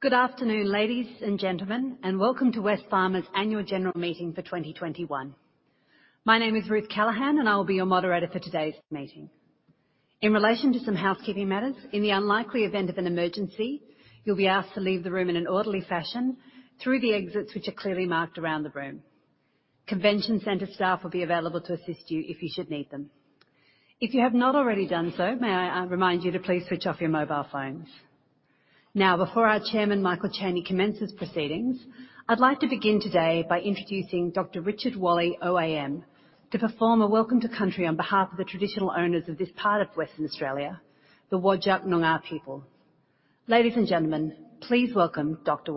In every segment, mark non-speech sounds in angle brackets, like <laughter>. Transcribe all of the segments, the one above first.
Good afternoon, ladies and gentlemen? Welcome to Wesfarmers Annual General Meeting for 2021. My name is Ruth Callaghan. I will be your moderator for today's meeting. In relation to some housekeeping matters, in the unlikely event of an emergency, you'll be asked to leave the room in an orderly fashion through the exits which are clearly marked around the room. Convention center staff will be available to assist you if you should need them. If you have not already done so, may I remind you to please switch off your mobile phones. Now, before our Chairman, Michael Chaney, commences proceedings, I'd like to begin today by introducing Dr. Richard Walley OAM to perform a Welcome to Country on behalf of the traditional owners of this part of Western Australia, the Whadjuk Noongar people. Ladies and gentlemen, please welcome Dr.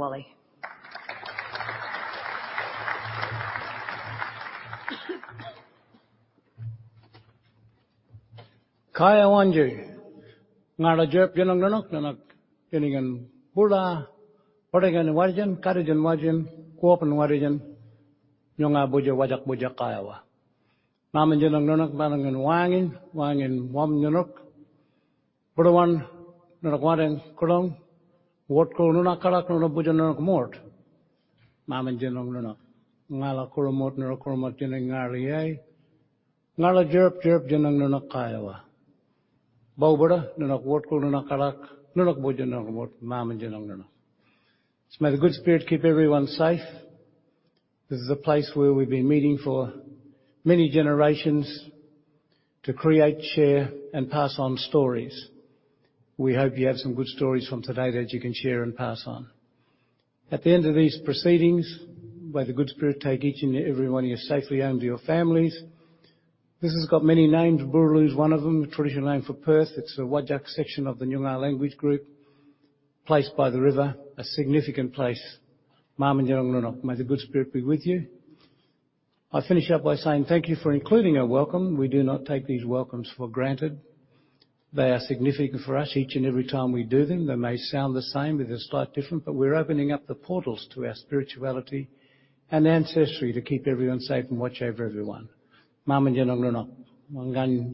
Walley. May the good spirit keep everyone safe. This is a place where we've been meeting for many generations to create, share, and pass on stories. We hope you have some good stories from today that you can share and pass on. At the end of these proceedings, may the good spirit take each and every one of you safely home to your families. This has got many names. Boorloo is one of them, the traditional name for Perth. It's a Whadjuk section of the Noongar language group, placed by the river, a significant place. May the good spirit be with you. I finish up by saying thank you for including a welcome. We do not take these welcomes for granted. They are significant for us each and every time we do them. They may sound the same, but they're slightly different. We're opening up the portals to our spirituality and ancestry to keep everyone safe and watch over everyone. Well, good afternoon,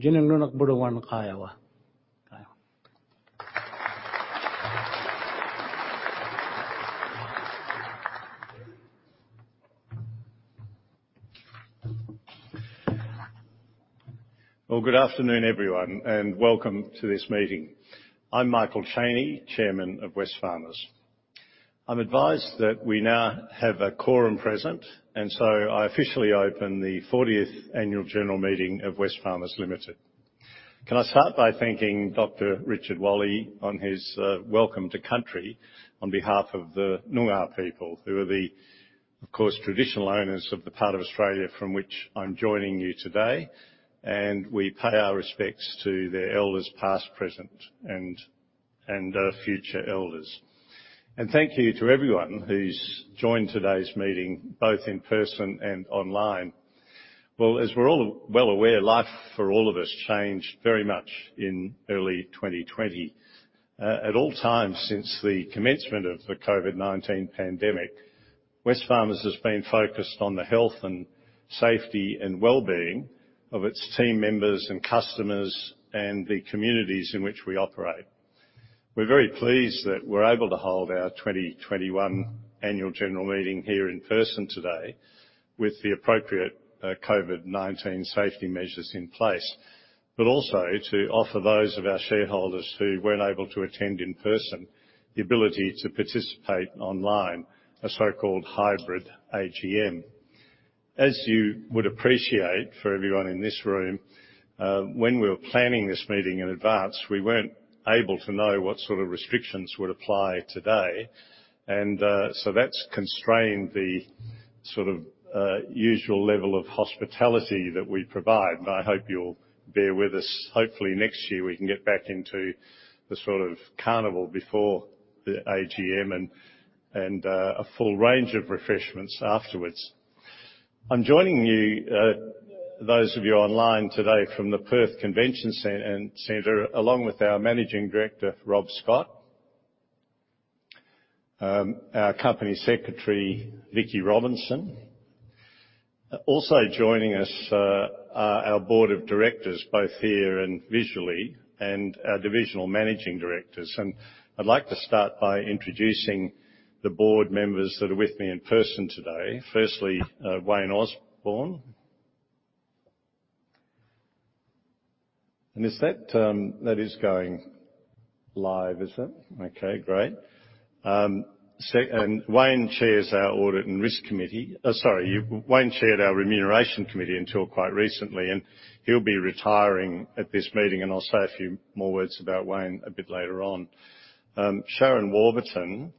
everyone, and welcome to this meeting. I'm Michael Chaney, chairman of Wesfarmers. I'm advised that we now have a quorum present, so I officially open the 40th Annual General Meeting of Wesfarmers Limited. Can I start by thanking Dr. Richard Walley on his welcome to Country on behalf of the Noongar people who are the, of course, traditional owners of the part of Australia from which I'm joining you today. We pay our respects to their elders past, present, and our future elders. Thank you to everyone who's joined today's meeting, both in person and online. Well, as we're all well aware, life for all of us changed very much in early 2020. At all times since the commencement of the COVID-19 pandemic, Wesfarmers has been focused on the health and safety and wellbeing of its team members and customers, and the communities in which we operate. We're very pleased that we're able to hold our 2021 Annual General Meeting here in person today with the appropriate COVID-19 safety measures in place, but also to offer those of our shareholders who weren't able to attend in person the ability to participate online, a so-called hybrid AGM. As you would appreciate, for everyone in this room, when we were planning this meeting in advance, we weren't able to know what sort of restrictions would apply today and, so that's constrained the sort of usual level of hospitality that we provide, and I hope you'll bear with us. Hopefully next year we can get back into the sort of carnival before the AGM, a full range of refreshments afterwards. I'm joining you, those of you online today, from the Perth Convention Center, along with our Managing Director, Rob Scott, our Company Secretary, Vicki Robinson. Also joining us are our Board of Directors, both here and visually, our Divisional Managing Directors. I'd like to start by introducing the Board Members that are with me in person today. Firstly, Wayne Osborn. That is going live, is it? Okay, great. Wayne chairs our Audit and Risk Committee. Sorry, Wayne chaired our Remuneration Committee until quite recently, he'll be retiring at this meeting. I'll say a few more words about Wayne a bit later on. Sharon Warburton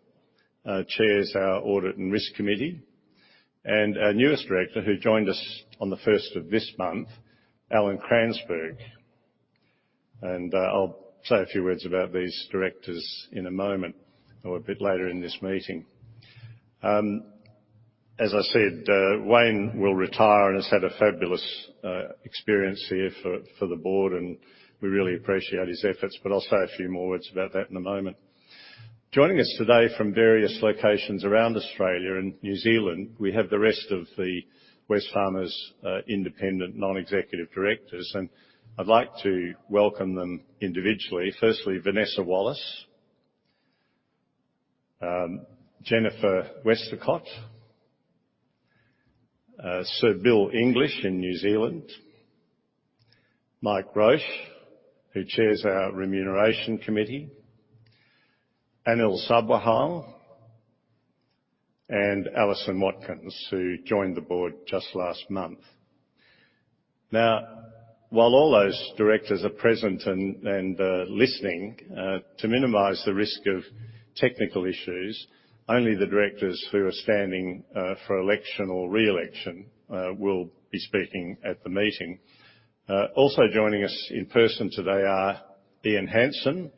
Chairs our Audit and Risk Committee. Our newest Director, who joined us on the 1st of this month, Alan Cransberg. I'll say a few words about these directors in a moment or a bit later in this meeting. As I said, Wayne will retire and has had a fabulous experience here for the board, and we really appreciate his efforts, but I'll say a few more words about that in a moment. Joining us today from various locations around Australia and New Zealand, we have the rest of the Wesfarmers Independent Non-Executive Directors, and I'd like to welcome them individually. Firstly, Vanessa Wallace, Jennifer Westacott, Sir Bill English in New Zealand, Mike Roche, who chairs our Remuneration Committee, Anil Sabharwal, and Alison Watkins, who joined the board just last month. While all those directors are present and listening, to minimize the risk of technical issues, only the directors who are standing for election or re-election will be speaking at the meeting. Joining us in person today are Ian Hansen,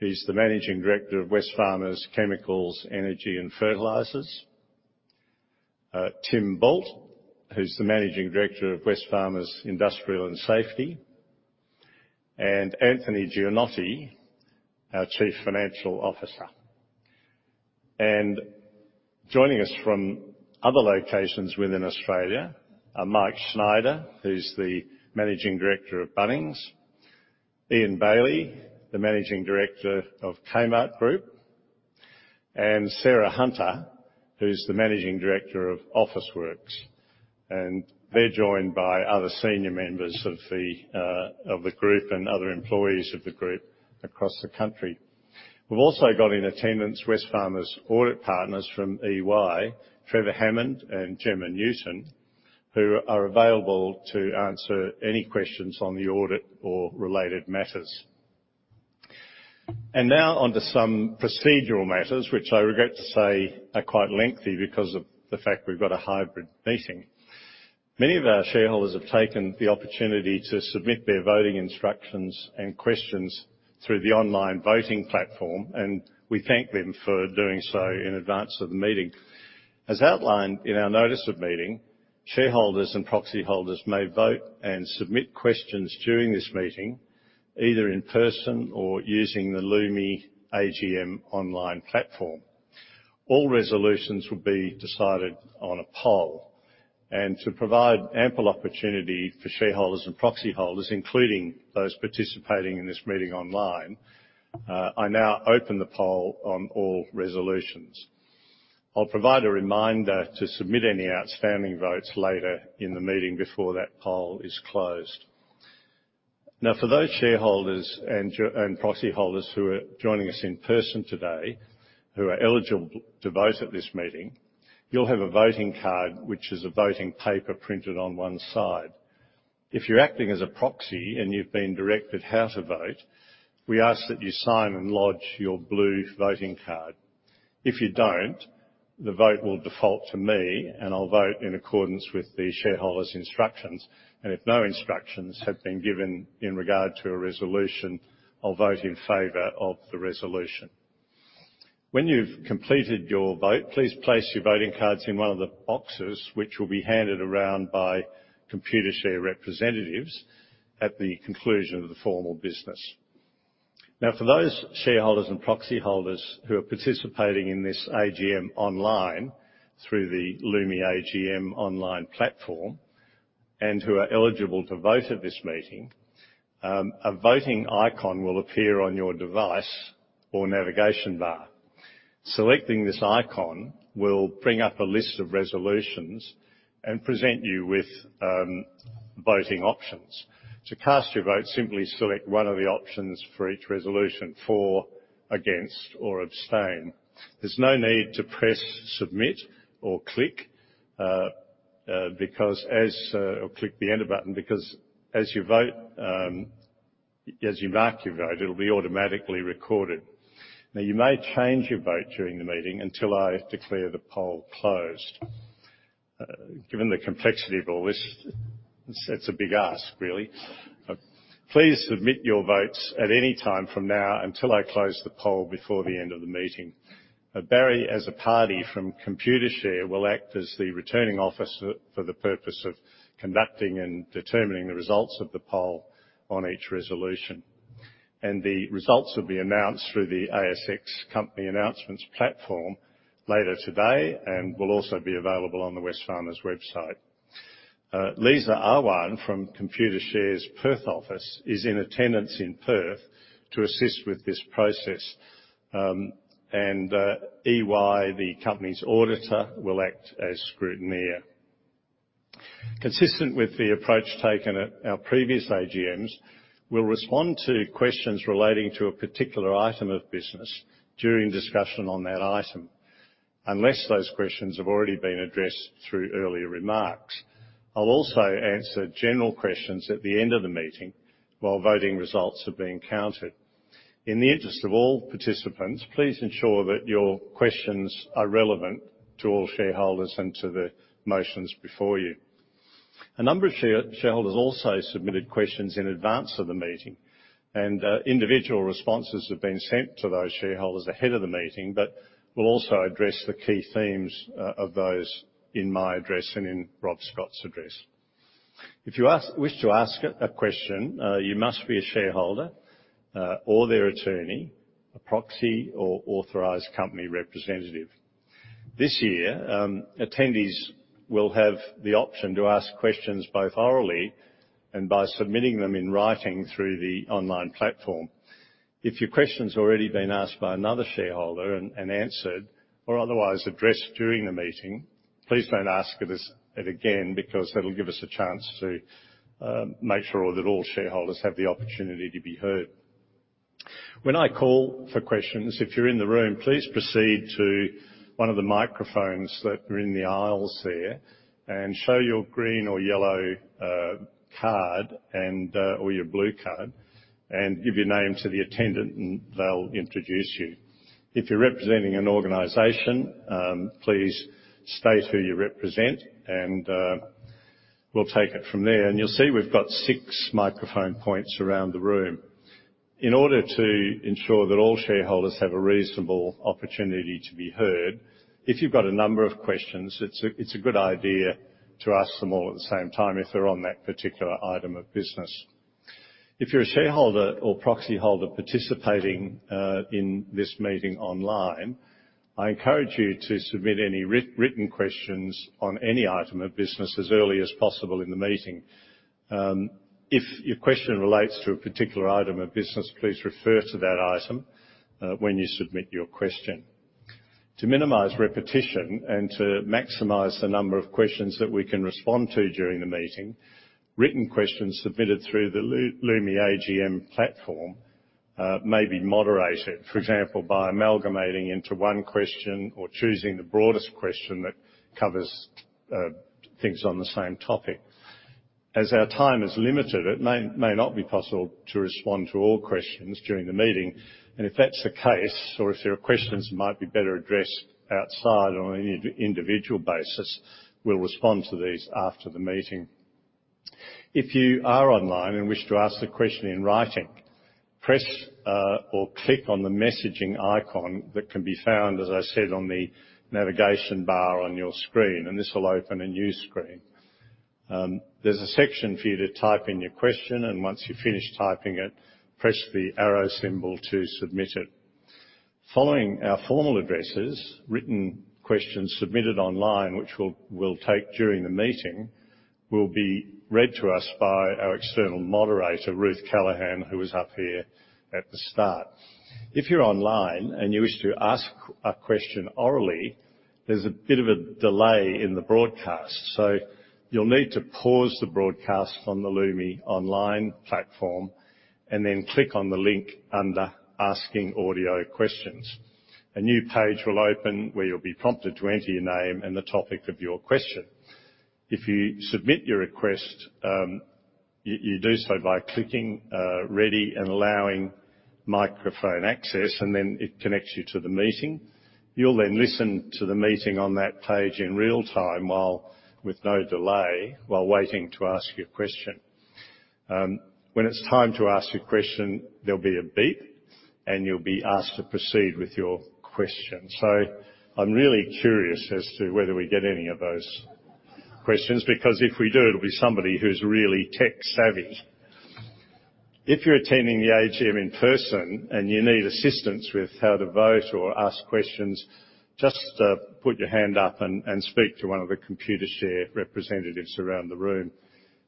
who's the Managing Director of Wesfarmers Chemicals, Energy and Fertilizers. Tim Bult, who's the Managing Director of Wesfarmers Industrial and Safety, and Anthony Gianotti, our Chief Financial Officer. Joining us from other locations within Australia are Michael Schneider, who's the Managing Director of Bunnings, Ian Bailey, the Managing Director of Kmart Group, and Sarah Hunter, who's the Managing Director of Officeworks. They're joined by other senior members of the group and other employees of the group across the country. We've also got in attendance Wesfarmers Audit Partners from EY, Trevor Hammond and Jemma Newton, who are available to answer any questions on the audit or related matters. Now on to some procedural matters, which I regret to say are quite lengthy because of the fact we've got a hybrid meeting. Many of our shareholders have taken the opportunity to submit their voting instructions and questions through the online voting platform, and we thank them for doing so in advance of the meeting. As outlined in our notice of meeting, Shareholders and Proxyholders may vote and submit questions during this meeting, either in person or using the Lumi AGM online platform. All resolutions will be decided on a poll and to provide ample opportunity for Shareholders and Proxyholders, including those participating in this meeting online, I now open the poll on all resolutions. I'll provide a reminder to submit any outstanding votes later in the meeting before that poll is closed. For those Shareholders and Proxyholders who are joining us in person today, who are eligible to vote at this meeting, you'll have a voting card, which is a voting paper printed on one side. If you're acting as a Proxy and you've been directed how to vote, we ask that you sign and lodge your blue voting card. If you don't, the vote will default to me, and I'll vote in accordance with the Shareholder's instructions. If no instructions have been given in regard to a resolution, I'll vote in favor of the resolution. When you've completed your vote, please place your voting cards in one of the boxes, which will be handed around by Computershare representatives at the conclusion of the formal business. For those Shareholders and Proxyholders who are participating in this AGM online through the Lumi AGM online platform and who are eligible to vote at this meeting, a voting icon will appear on your device or navigation bar. Selecting this icon will bring up a list of resolutions and present you with voting options. To cast your vote, simply select one of the options for each resolution: for, against, or abstain. There's no need to press submit or click the enter button because as you mark your vote, it'll be automatically recorded. You may change your vote during the meeting until I declare the poll closed. Given the complexity of all this, it's a big ask, really. Please submit your votes at any time from now until I close the poll before the end of the meeting. Barry Azzopardi from Computershare, will act as the returning officer for the purpose of conducting and determining the results of the poll on each resolution. The results will be announced through the ASX company announcements platform later today and will also be available on the Wesfarmers website. Lisa Ahwan from Computershare's Perth office is in attendance in Perth to assist with this process. EY, the company's auditor, will act as scrutineer. Consistent with the approach taken at our previous AGMs, we'll respond to questions relating to a particular item of business during discussion on that item, unless those questions have already been addressed through earlier remarks. I'll also answer general questions at the end of the meeting while voting results are being counted. In the interest of all participants, please ensure that your questions are relevant to all shareholders and to the motions before you. A number of shareholders also submitted questions in advance of the meeting, and individual responses have been sent to those shareholders ahead of the meeting, but we'll also address the key themes of those in my address and in Rob Scott's address. If you wish to ask a question, you must be a shareholder or their attorney, a proxy or authorized company representative. This year, attendees will have the option to ask questions both orally and by submitting them in writing through the online platform. If your question's already been asked by another shareholder and answered or otherwise addressed during the meeting, please don't ask it again, because that'll give us a chance to make sure that all shareholders have the opportunity to be heard. When I call for questions, if you're in the room, please proceed to one of the microphones that are in the aisles there and show your green or yellow card, or your blue card, and give your name to the attendant and they'll introduce you. If you're representing an organization, please state who you represent, and we'll take it from there. You'll see we've got 6 microphone points around the room. In order to ensure that all shareholders have a reasonable opportunity to be heard, if you've got a number of questions, it's a good idea to ask them all at the same time if they're on that particular item of business. If you're a shareholder or proxyholder participating in this meeting online, I encourage you to submit any written questions on any item of business as early as possible in the meeting. If your question relates to a particular item of business, please refer to that item when you submit your question. To minimize repetition and to maximize the number of questions that we can respond to during the meeting, written questions submitted through the Lumi AGM platform may be moderated. For example, by amalgamating into one question or choosing the broadest question that covers things on the same topic. As our time is limited, it may not be possible to respond to all questions during the meeting, and if that's the case, or if there are questions that might be better addressed outside on an individual basis, we'll respond to these after the meeting. If you are online and wish to ask the question in writing, press or click on the messaging icon that can be found, as I said, on the navigation bar on your screen. This will open a new screen. There's a section for you to type in your question. Once you've finished typing it, press the arrow symbol to submit it. Following our formal addresses, written questions submitted online, which we'll take during the meeting, will be read to us by our external moderator, Ruth Callaghan, who was up here at the start. If you're online and you wish to ask a question orally, there's a bit of a delay in the broadcast. You'll need to pause the broadcast from the Lumi online platform and then click on the link under Asking Audio-Questions. A new page will open where you'll be prompted to enter your name and the topic of your question. If you submit your request, you do so by clicking Ready and allowing microphone access, and then it connects you to the meeting. You'll then listen to the meeting on that page in real time with no delay while waiting to ask your question. When it's time to ask your question, there'll be a beep and you'll be asked to proceed with your question. I'm really curious as to whether we get any of those questions, because if we do, it'll be somebody who's really tech-savvy. If you're attending the AGM in person and you need assistance with how to vote or ask questions, just put your hand up and speak to one of the Computershare representatives around the room.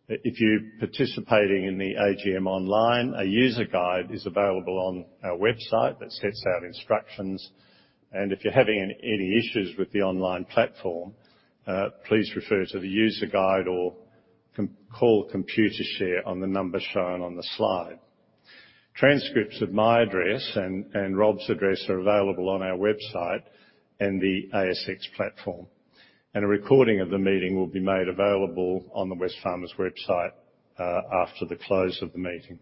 If you're participating in the AGM online, a user guide is available on our website that sets out instructions. If you're having any issues with the online platform, please refer to the user guide or call Computershare on the number shown on the slide. Transcripts of my address and Rob Scott's address are available on our website and the ASX platform. A recording of the meeting will be made available on the Wesfarmers website after the close of the meeting.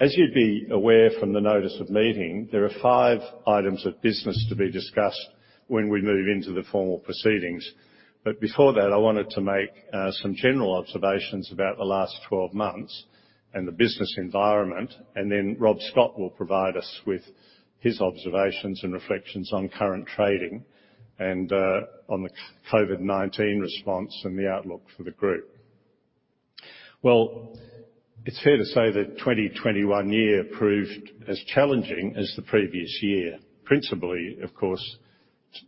As you'd be aware from the notice of meeting, there are five items of business to be discussed when we move into the formal proceedings. Before that, I wanted to make some general observations about the last 12 months and the business environment, and then Rob Scott will provide us with his observations and reflections on current trading and on the COVID-19 response and the outlook for the group. Well, it's fair to say that 2021 year proved as challenging as the previous year. Principally, of course,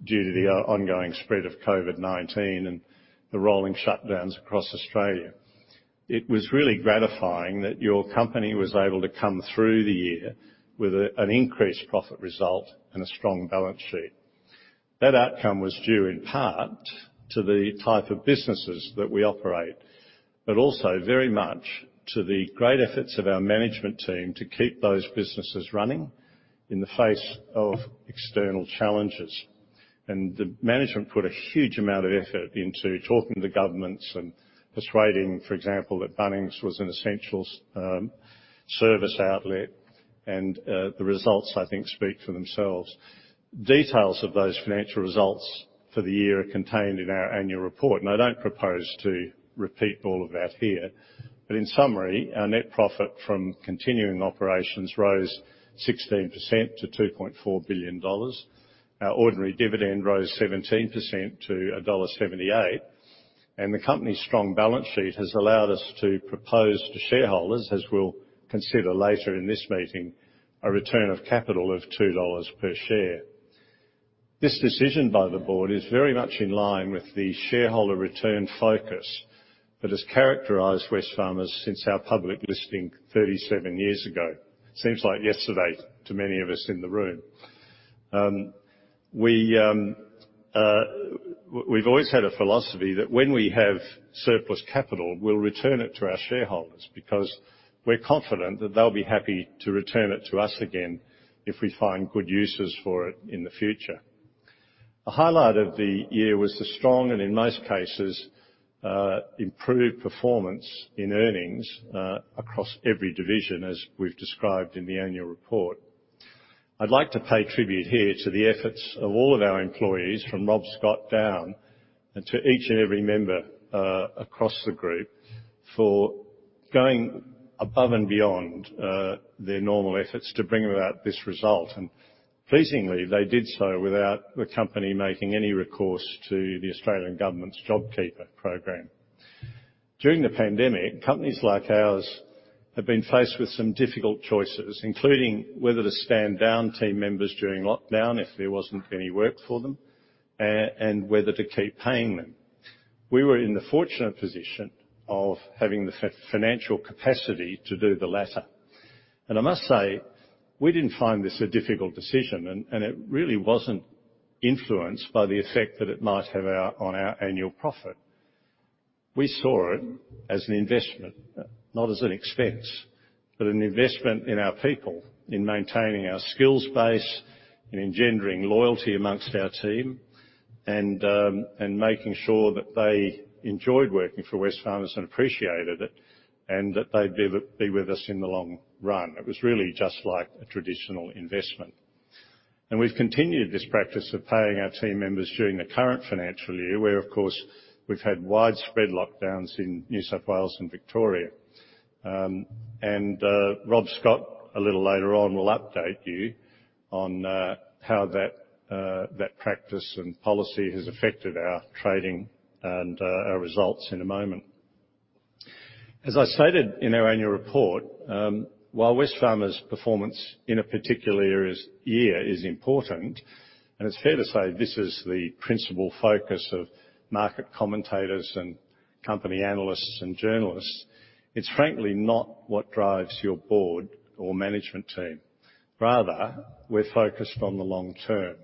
due to the ongoing spread of COVID-19 and the rolling shutdowns across Australia. It was really gratifying that your company was able to come through the year with an increased profit result and a strong balance sheet. That outcome was due in part to the type of businesses that we operate, but also very much to the great efforts of our management team to keep those businesses running in the face of external challenges. The management put a huge amount of effort into talking to governments and persuading, for example, that Bunnings was an essential service outlet, and the results, I think, speak for themselves. Details of those financial results for the year are contained in our annual report, I don't propose to repeat all of that here. In summary, our net profit from continuing operations rose 16% to $2.4 billion. Our ordinary dividend rose 17% to $1.78. The company's strong balance sheet has allowed us to propose to shareholders, as we'll consider later in this meeting, a return of capital of $2 per share. This decision by the board is very much in line with the shareholder return focus that has characterized Wesfarmers since our public listing 37 years ago. Seems like yesterday to many of us in the room. We've always had a philosophy that when we have surplus capital, we'll return it to our shareholders because we're confident that they'll be happy to return it to us again if we find good uses for it in the future. A highlight of the year was the strong, and in most cases, improved performance in earnings across every division as we've described in the annual report. I'd like to pay tribute here to the efforts of all of our employees, from Rob Scott down, and to each and every member across the group for going above and beyond their normal efforts to bring about this result. Pleasingly, they did so without the company making any recourse to the Australian government's JobKeeper program. During the pandemic, companies like ours have been faced with some difficult choices, including whether to stand down team members during lockdown if there wasn't any work for them, and whether to keep paying them. We were in the fortunate position of having the financial capacity to do the latter. I must say, we didn't find this a difficult decision, and it really wasn't influenced by the effect that it might have on our annual profit. We saw it as an investment, not as an expense, but an investment in our people in maintaining our skills base and engendering loyalty amongst our team and making sure that they enjoyed working for Wesfarmers and appreciated it, and that they'd be with us in the long run. It was really just like a traditional investment. We've continued this practice of paying our team members during the current financial year where, of course, we've had widespread lockdowns in New South Wales and Victoria. Rob Scott, a little later on, will update you on how that practice and policy has affected our trading and our results in a moment. As I stated in our annual report, while Wesfarmers' performance in a particular year is important, and it's fair to say this is the principal focus of market commentators and company analysts and journalists, it's frankly not what drives your Board or Management team. Rather, we're focused on the long term.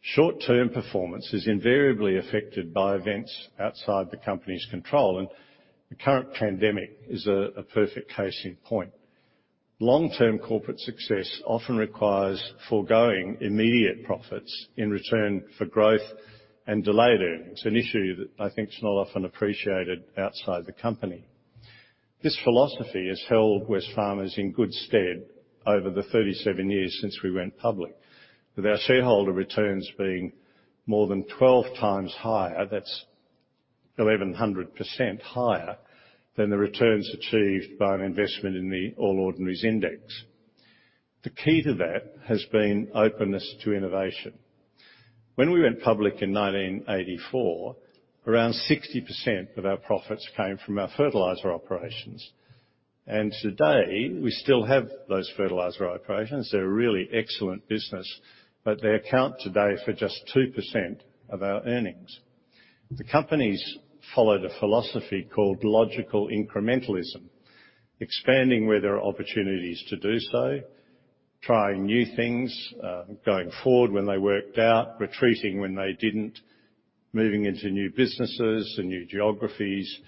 Short-term performance is invariably affected by events outside the company's control, and the current pandemic is a perfect case in point. Long-term corporate success often requires foregoing immediate profits in return for growth and delayed earnings, an issue that I think is not often appreciated outside the company. This philosophy has held Wesfarmers in good stead over the 37 years since we went public, with our shareholder returns being more than 12x higher, that's 1,100% higher than the returns achieved by an investment in the All Ordinaries Index. The key to that has been openness to innovation. When we went public in 1984, around 60% of our profits came from our fertilizer operations. Today, we still have those fertilizer operations. They're a really excellent business, but they account today for just 2% of our earnings. The company's followed a philosophy called Logical Incrementalism, expanding where there are opportunities to do so, trying new things, going forward when they worked out, retreating when they didn't, moving into new businesses and new geographies,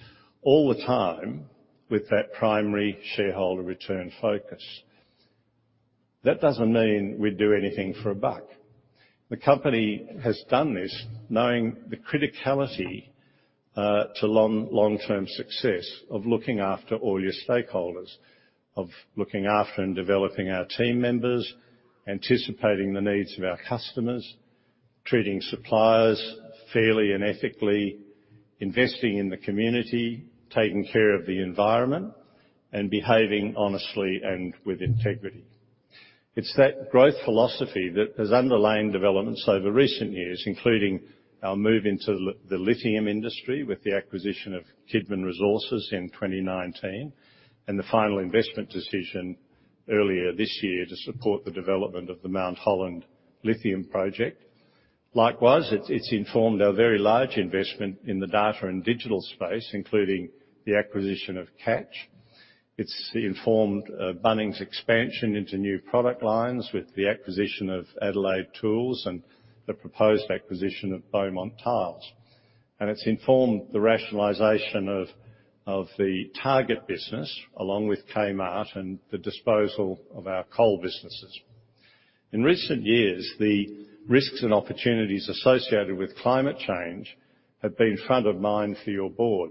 all the time with that primary shareholder return focus. That doesn't mean we'd do anything for a buck. The company has done this knowing the criticality to long-term success of looking after all your stakeholders, of looking after and developing our team members, anticipating the needs of our customers, treating suppliers fairly and ethically, investing in the community, taking care of the environment, and behaving honestly and with integrity. It's that growth philosophy that has underlying developments over recent years, including our move into the lithium industry with the acquisition of Kidman Resources in 2019, and the final investment decision earlier this year to support the development of the Mt Holland Lithium Project. Likewise, it's informed our very large investment in the data and digital space, including the acquisition of Catch. It's informed Bunnings expansion into new product lines with the acquisition of Adelaide Tools and the proposed acquisition of Beaumont Tiles. It's informed the rationalization of the Target business along with Kmart and the disposal of our coal businesses. In recent years, the risks and opportunities associated with climate change have been front of mind for your Board.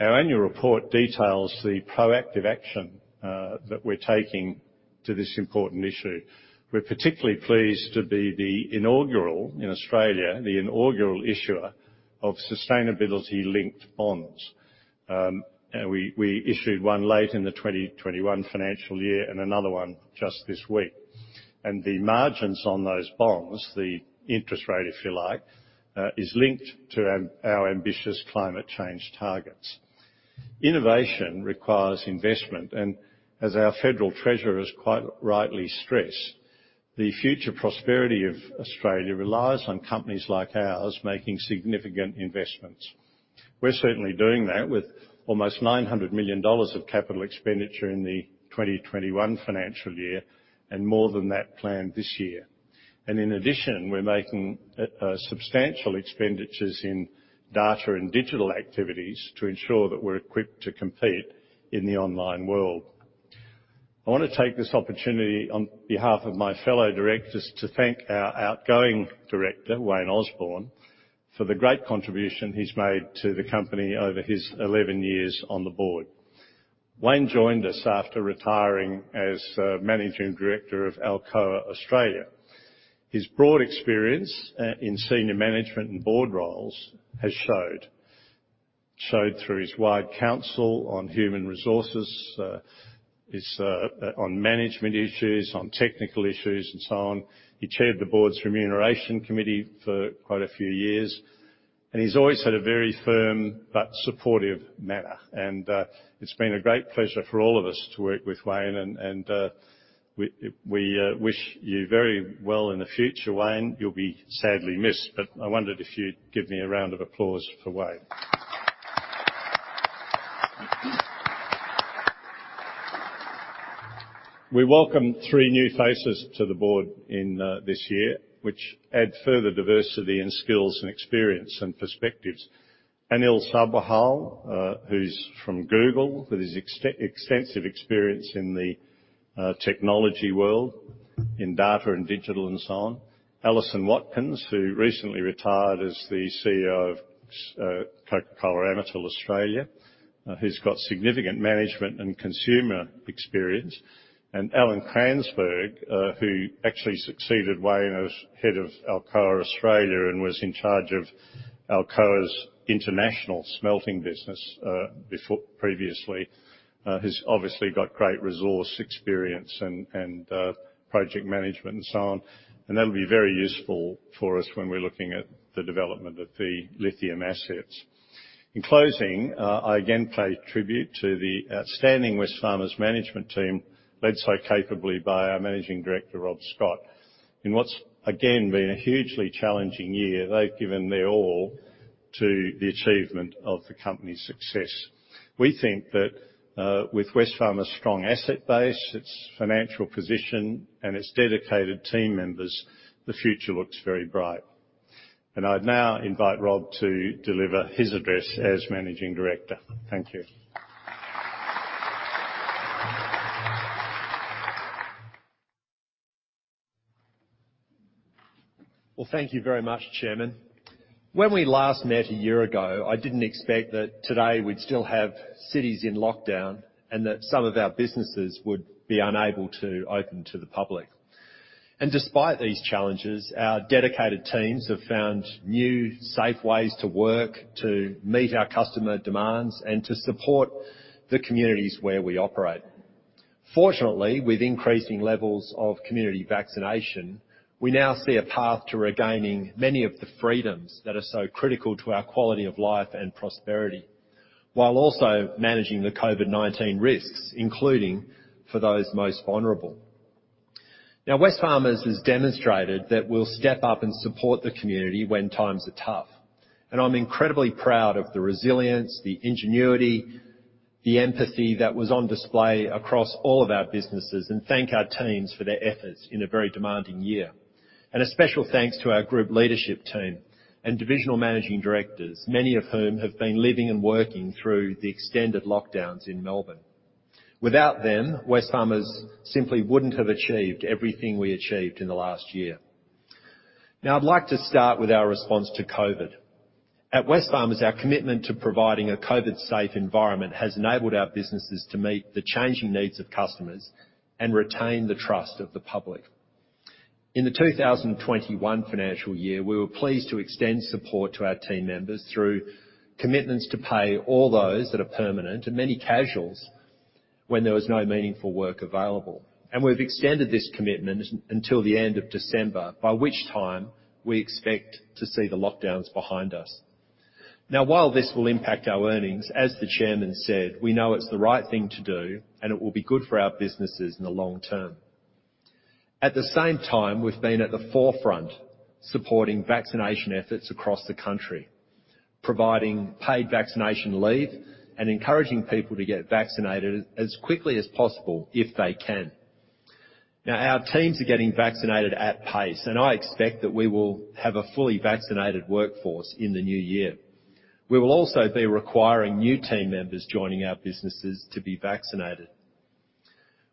Our annual report details the proactive action that we're taking to this important issue. We're particularly pleased to be the inaugural in Australia, the inaugural issuer of sustainability-linked bonds. We issued one late in the 2021 financial year and another one just this week. The margins on those bonds, the interest rate, if you like, is linked to our ambitious climate change targets. Innovation requires investment, and as our federal treasurer has quite rightly stressed, the future prosperity of Australia relies on companies like ours making significant investments. We're certainly doing that with almost $900 million of capital expenditure in the 2021 financial year, and more than that planned this year. In addition, we're making substantial expenditures in data and digital activities to ensure that we're equipped to compete in the online world. I want to take this opportunity, on behalf of my fellow Directors, to thank our outgoing Director, Wayne Osborn, for the great contribution he's made to the company over his 11 years on the board. Wayne joined us after retiring as Managing Director of Alcoa of Australia. His broad experience in Senior Management and board roles has showed. Showed through his wide counsel on Human Resources, on management issues, on technical issues, and so on. He chaired the board's Remuneration Committee for quite a few years, and he's always had a very firm but supportive manner. It's been a great pleasure for all of us to work with Wayne, and we wish you very well in the future, Wayne. You'll be sadly missed. I wondered if you'd give me a round of applause for Wayne. We welcome three new faces to the board in this year, which add further diversity and skills and experience and perspectives. Anil Sabharwal, who's from Google, with his extensive experience in the technology world, in data and digital and so on. Alison Watkins, who recently retired as the Chief Executive Officer of Coca-Cola Amatil Australia, who's got significant management and consumer experience. Alan Cransberg, who actually succeeded Wayne as Head of Alcoa of Australia and was in charge of Alcoa's International Smelting business previously, who's obviously got great resource experience and project management and so on. That'll be very useful for us when we're looking at the development of the lithium assets. In closing, I again pay tribute to the outstanding Wesfarmers management team, led so capably by our Managing Director, Rob Scott. In what's again been a hugely challenging year, they've given their all to the achievement of the company's success. We think that with Wesfarmers' strong asset base, its financial position, and its dedicated team members, the future looks very bright. I'd now invite Rob to deliver his address as Managing Director. Thank you. Well, thank you very much, Chairman. When we last met a year ago, I didn't expect that today we'd still have cities in lockdown and that some of our businesses would be unable to open to the public. Despite these challenges, our dedicated teams have found new, safe ways to work to meet our customer demands and to support the communities where we operate. Fortunately, with increasing levels of community vaccination, we now see a path to regaining many of the freedoms that are so critical to our quality of life and prosperity, while also managing the COVID-19 risks, including for those most vulnerable. Now, Wesfarmers has demonstrated that we'll step up and support the community when times are tough. I'm incredibly proud of the resilience, the ingenuity, the empathy that was on display across all of our businesses, and thank our teams for their efforts in a very demanding year. A special thanks to our group Leadership team and Divisional Managing Directors, many of whom have been living and working through the extended lockdowns in Melbourne. Without them, Wesfarmers simply wouldn't have achieved everything we achieved in the last year. I'd like to start with our response to COVID. At Wesfarmers, our commitment to providing a COVID-safe environment has enabled our businesses to meet the changing needs of customers and retain the trust of the public. In the 2021 financial year, we were pleased to extend support to our team members through commitments to pay all those that are permanent and many casuals when there was no meaningful work available. We've extended this commitment until the end of December, by which time we expect to see the lockdowns behind us. While this will impact our earnings, as the Chairman said, we know it's the right thing to do and it will be good for our businesses in the long term. At the same time, we've been at the forefront supporting vaccination efforts across the country, providing paid vaccination leave and encouraging people to get vaccinated as quickly as possible if they can. Our teams are getting vaccinated at pace, and I expect that we will have a fully vaccinated workforce in the new year. We will also be requiring new team members joining our businesses to be vaccinated.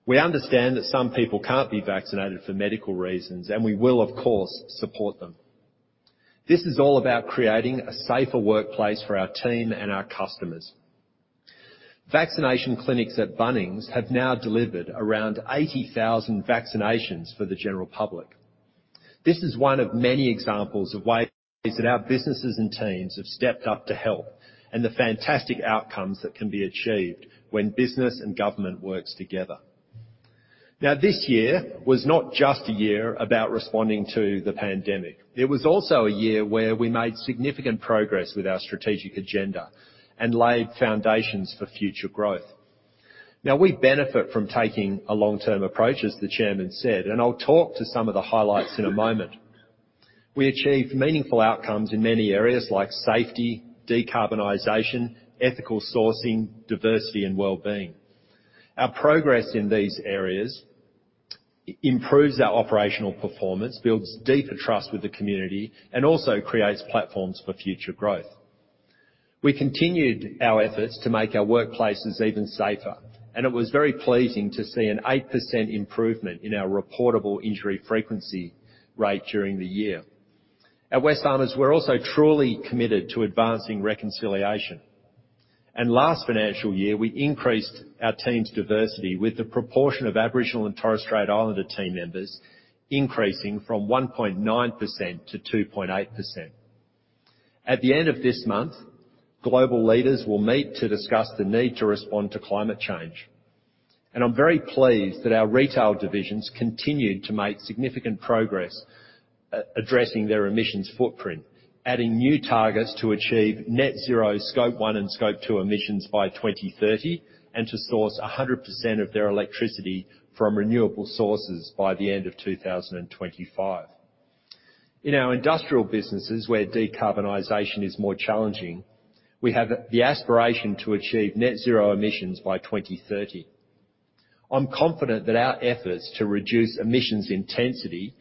We understand that some people can't be vaccinated for medical reasons, and we will, of course, support them. This is all about creating a safer workplace for our team and our customers. Vaccination clinics at Bunnings have now delivered around 80,000 vaccinations for the general public. This is one of many examples of ways that our businesses and teams have stepped up to help, and the fantastic outcomes that can be achieved when business and government works together. Now, this year was not just a year about responding to the pandemic. It was also a year where we made significant progress with our strategic agenda and laid foundations for future growth. Now, we benefit from taking a long-term approach, as the Chairman said, and I'll talk to some of the highlights in a moment. We achieved meaningful outcomes in many areas like safety, decarbonization, ethical sourcing, diversity, and wellbeing. Our progress in these areas improves our operational performance, builds deeper trust with the community, also creates platforms for future growth. We continued our efforts to make our workplaces even safer, it was very pleasing to see an 8% improvement in our reportable injury frequency rate during the year. At Wesfarmers, we're also truly committed to advancing reconciliation. Last financial year, we increased our team's diversity with the proportion of Aboriginal and Torres Strait Islander team members increasing from 1.9% to 2.8%. At the end of this month, global leaders will meet to discuss the need to respond to climate change, and I'm very pleased that our retail divisions continued to make significant progress addressing their emissions footprint, adding new targets to achieve net zero Scope 1 and Scope 2 emissions by 2030, and to source 100% of their electricity from renewable sources by the end of 2025. In our industrial businesses, where decarbonization is more challenging, we have the aspiration to achieve net zero emissions by 2030. I'm confident that our efforts to reduce emissions intensity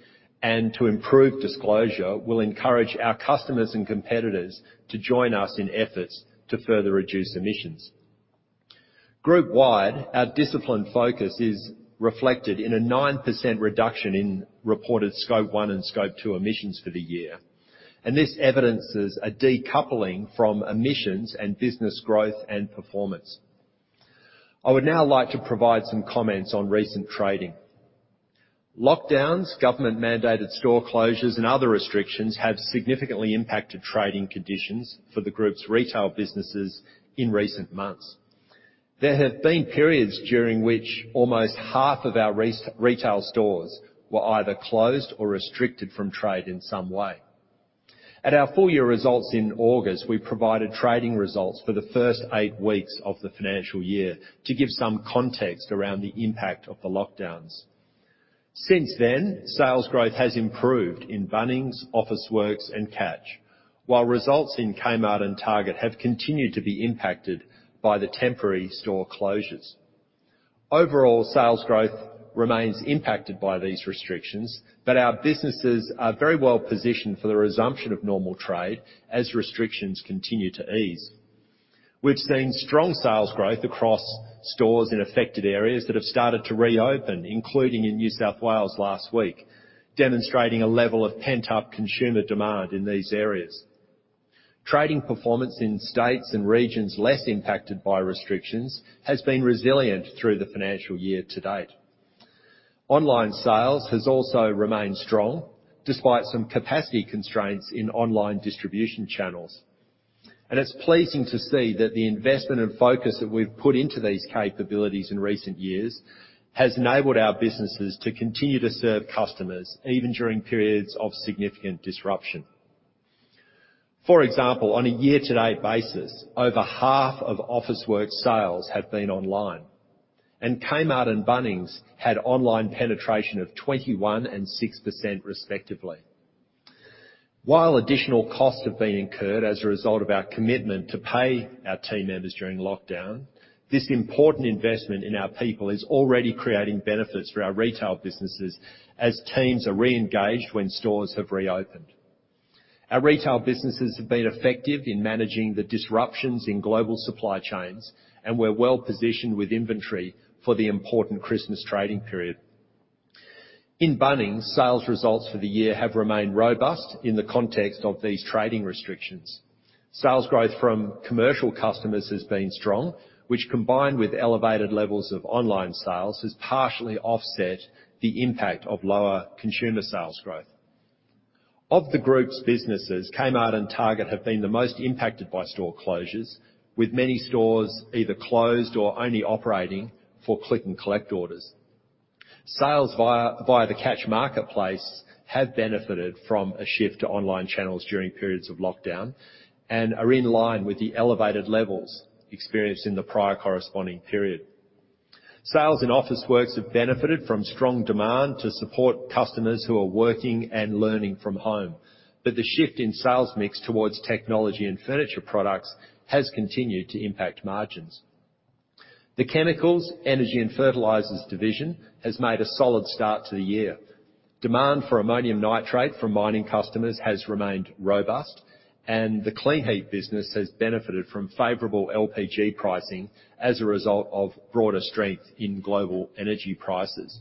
and to improve disclosure will encourage our customers and competitors to join us in efforts to further reduce emissions. Group wide, our disciplined focus is reflected in a 9% reduction in reported Scope 1 and Scope 2 emissions for the year, and this evidences a decoupling from emissions and business growth and performance. I would now like to provide some comments on recent trading. Lockdowns, government-mandated store closures, and other restrictions have significantly impacted trading conditions for the group's retail businesses in recent months. There have been periods during which almost half of our retail stores were either closed or restricted from trade in some way. At our full year results in August, we provided trading results for the first eight weeks of the financial year to give some context around the impact of the lockdowns. Since then, sales growth has improved in Bunnings, Officeworks, and Catch. While results in Kmart and Target have continued to be impacted by the temporary store closures. Overall, sales growth remains impacted by these restrictions, but our businesses are very well positioned for the resumption of normal trade as restrictions continue to ease. We've seen strong sales growth across stores in affected areas that have started to reopen, including in New South Wales last week, demonstrating a level of pent-up consumer demand in these areas. Trading performance in states and regions less impacted by restrictions has been resilient through the financial year to date. Online sales has also remained strong despite some capacity constraints in online distribution channels. It's pleasing to see that the investment and focus that we've put into these capabilities in recent years has enabled our businesses to continue to serve customers, even during periods of significant disruption. For example, on a year-to-date basis, over half of Officeworks sales have been online, and Kmart and Bunnings had online penetration of 21% and 6% respectively. While additional costs have been incurred as a result of our commitment to pay our team members during lockdown, this important investment in our people is already creating benefits for our retail businesses as teams are re-engaged when stores have reopened. Our retail businesses have been effective in managing the disruptions in global supply chains, and we're well-positioned with inventory for the important Christmas trading period. In Bunnings, sales results for the year have remained robust in the context of these trading restrictions. Sales growth from commercial customers has been strong, which, combined with elevated levels of online sales, has partially offset the impact of lower consumer sales growth. Of the group's businesses, Kmart and Target have been the most impacted by store closures, with many stores either closed or only operating for click-and-collect orders. Sales via the Catch Marketplace have benefited from a shift to online channels during periods of lockdown and are in line with the elevated levels experienced in the prior corresponding period. Sales in Officeworks have benefited from strong demand to support customers who are working and learning from home. The shift in sales mix towards technology and furniture products has continued to impact margins. The Chemicals, Energy and Fertilisers division has made a solid start to the year. Demand for ammonium nitrate from mining customers has remained robust, and the Kleenheat business has benefited from favorable LPG pricing as a result of broader strength in global energy prices.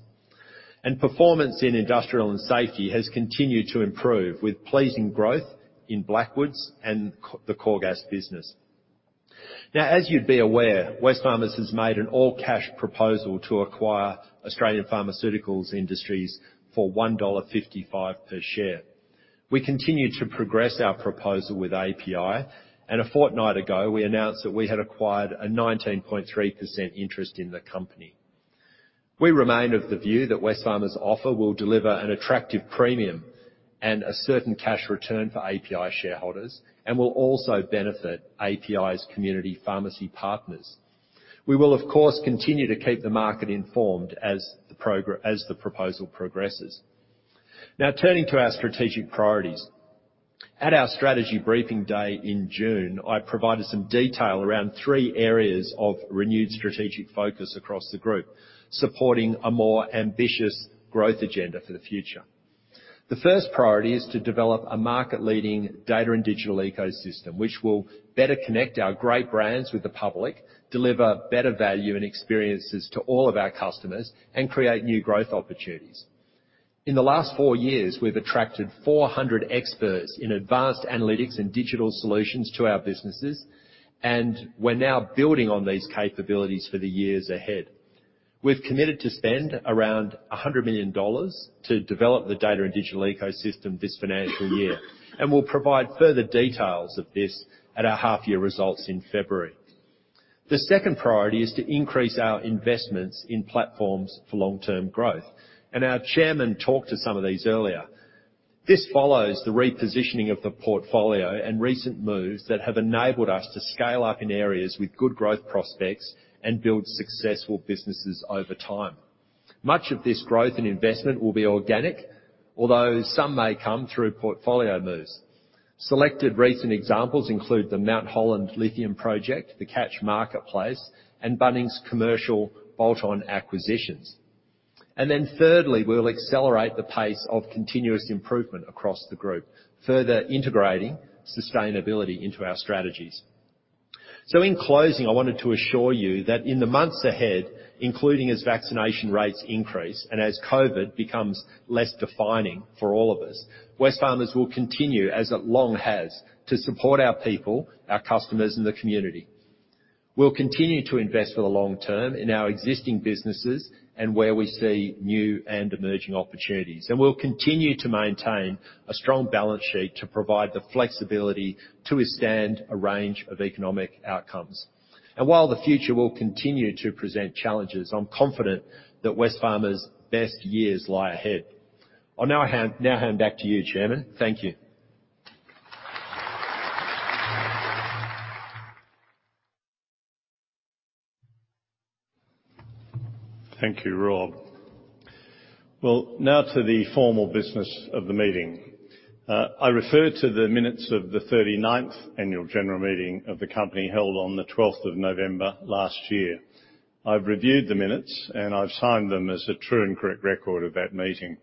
Performance in industrial and safety has continued to improve with pleasing growth in Blackwoods and the Coregas business. As you'd be aware, Wesfarmers has made an all-cash proposal to acquire Australian Pharmaceutical Industries for $1.55 per share. We continue to progress our proposal with API, and a fortnight ago, we announced that we had acquired a 19.3% interest in the company. We remain of the view that Wesfarmers' offer will deliver an attractive premium and a certain cash return for API shareholders, and will also benefit API's community pharmacy partners. We will, of course, continue to keep the market informed as the proposal progresses. Turning to our strategic priorities. At our strategy briefing day in June, I provided some detail around three areas of renewed strategic focus across the group, supporting a more ambitious growth agenda for the future. The first priority is to develop a market-leading data and digital ecosystem which will better connect our great brands with the public, deliver better value and experiences to all of our customers, and create new growth opportunities. In the last four years, we've attracted 400 experts in advanced analytics and digital solutions to our businesses, and we're now building on these capabilities for the years ahead. We've committed to spend around $100 million to develop the data and digital ecosystem this financial year, and we'll provide further details of this at our half-year results in February. The second priority is to increase our investments in platforms for long-term growth, and our chairman talked to some of these earlier. This follows the repositioning of the portfolio and recent moves that have enabled us to scale up in areas with good growth prospects and build successful businesses over time. Much of this growth and investment will be organic, although some may come through portfolio moves. Selected recent examples include the Mt Holland Lithium Project, the Catch Marketplace, and Bunnings Commercial bolt-on acquisitions. Thirdly, we'll accelerate the pace of continuous improvement across the group, further integrating sustainability into our strategies. In closing, I wanted to assure you that in the months ahead, including as vaccination rates increase and as COVID becomes less defining for all of us, Wesfarmers will continue, as it long has, to support our people, our customers, and the community. We'll continue to invest for the long term in our existing businesses and where we see new and emerging opportunities. We'll continue to maintain a strong balance sheet to provide the flexibility to withstand a range of economic outcomes. While the future will continue to present challenges, I'm confident that Wesfarmers' best years lie ahead. I'll now hand back to you, Chairman. Thank you. Thank you, Rob. Now to the formal business of the meeting. I refer to the minutes of the 39th Annual General Meeting of the company held on the 12th of November last year. I've reviewed the minutes, and I've signed them as a true and correct record of that meeting.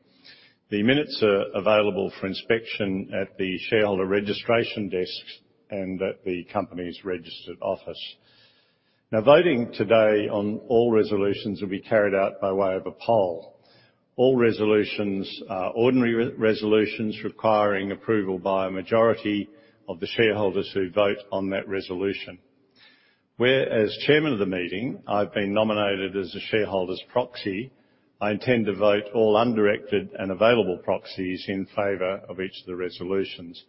The minutes are available for inspection at the Shareholder registration desks and at the company's registered office. Voting today on all resolutions will be carried out by way of a poll. All resolutions are ordinary resolutions requiring approval by a majority of the Shareholders who vote on that resolution. Where as Chairman of the meeting, I've been nominated as a Shareholder's proxy, I intend to vote all undirected and available proxies in favor of each of the resolutions.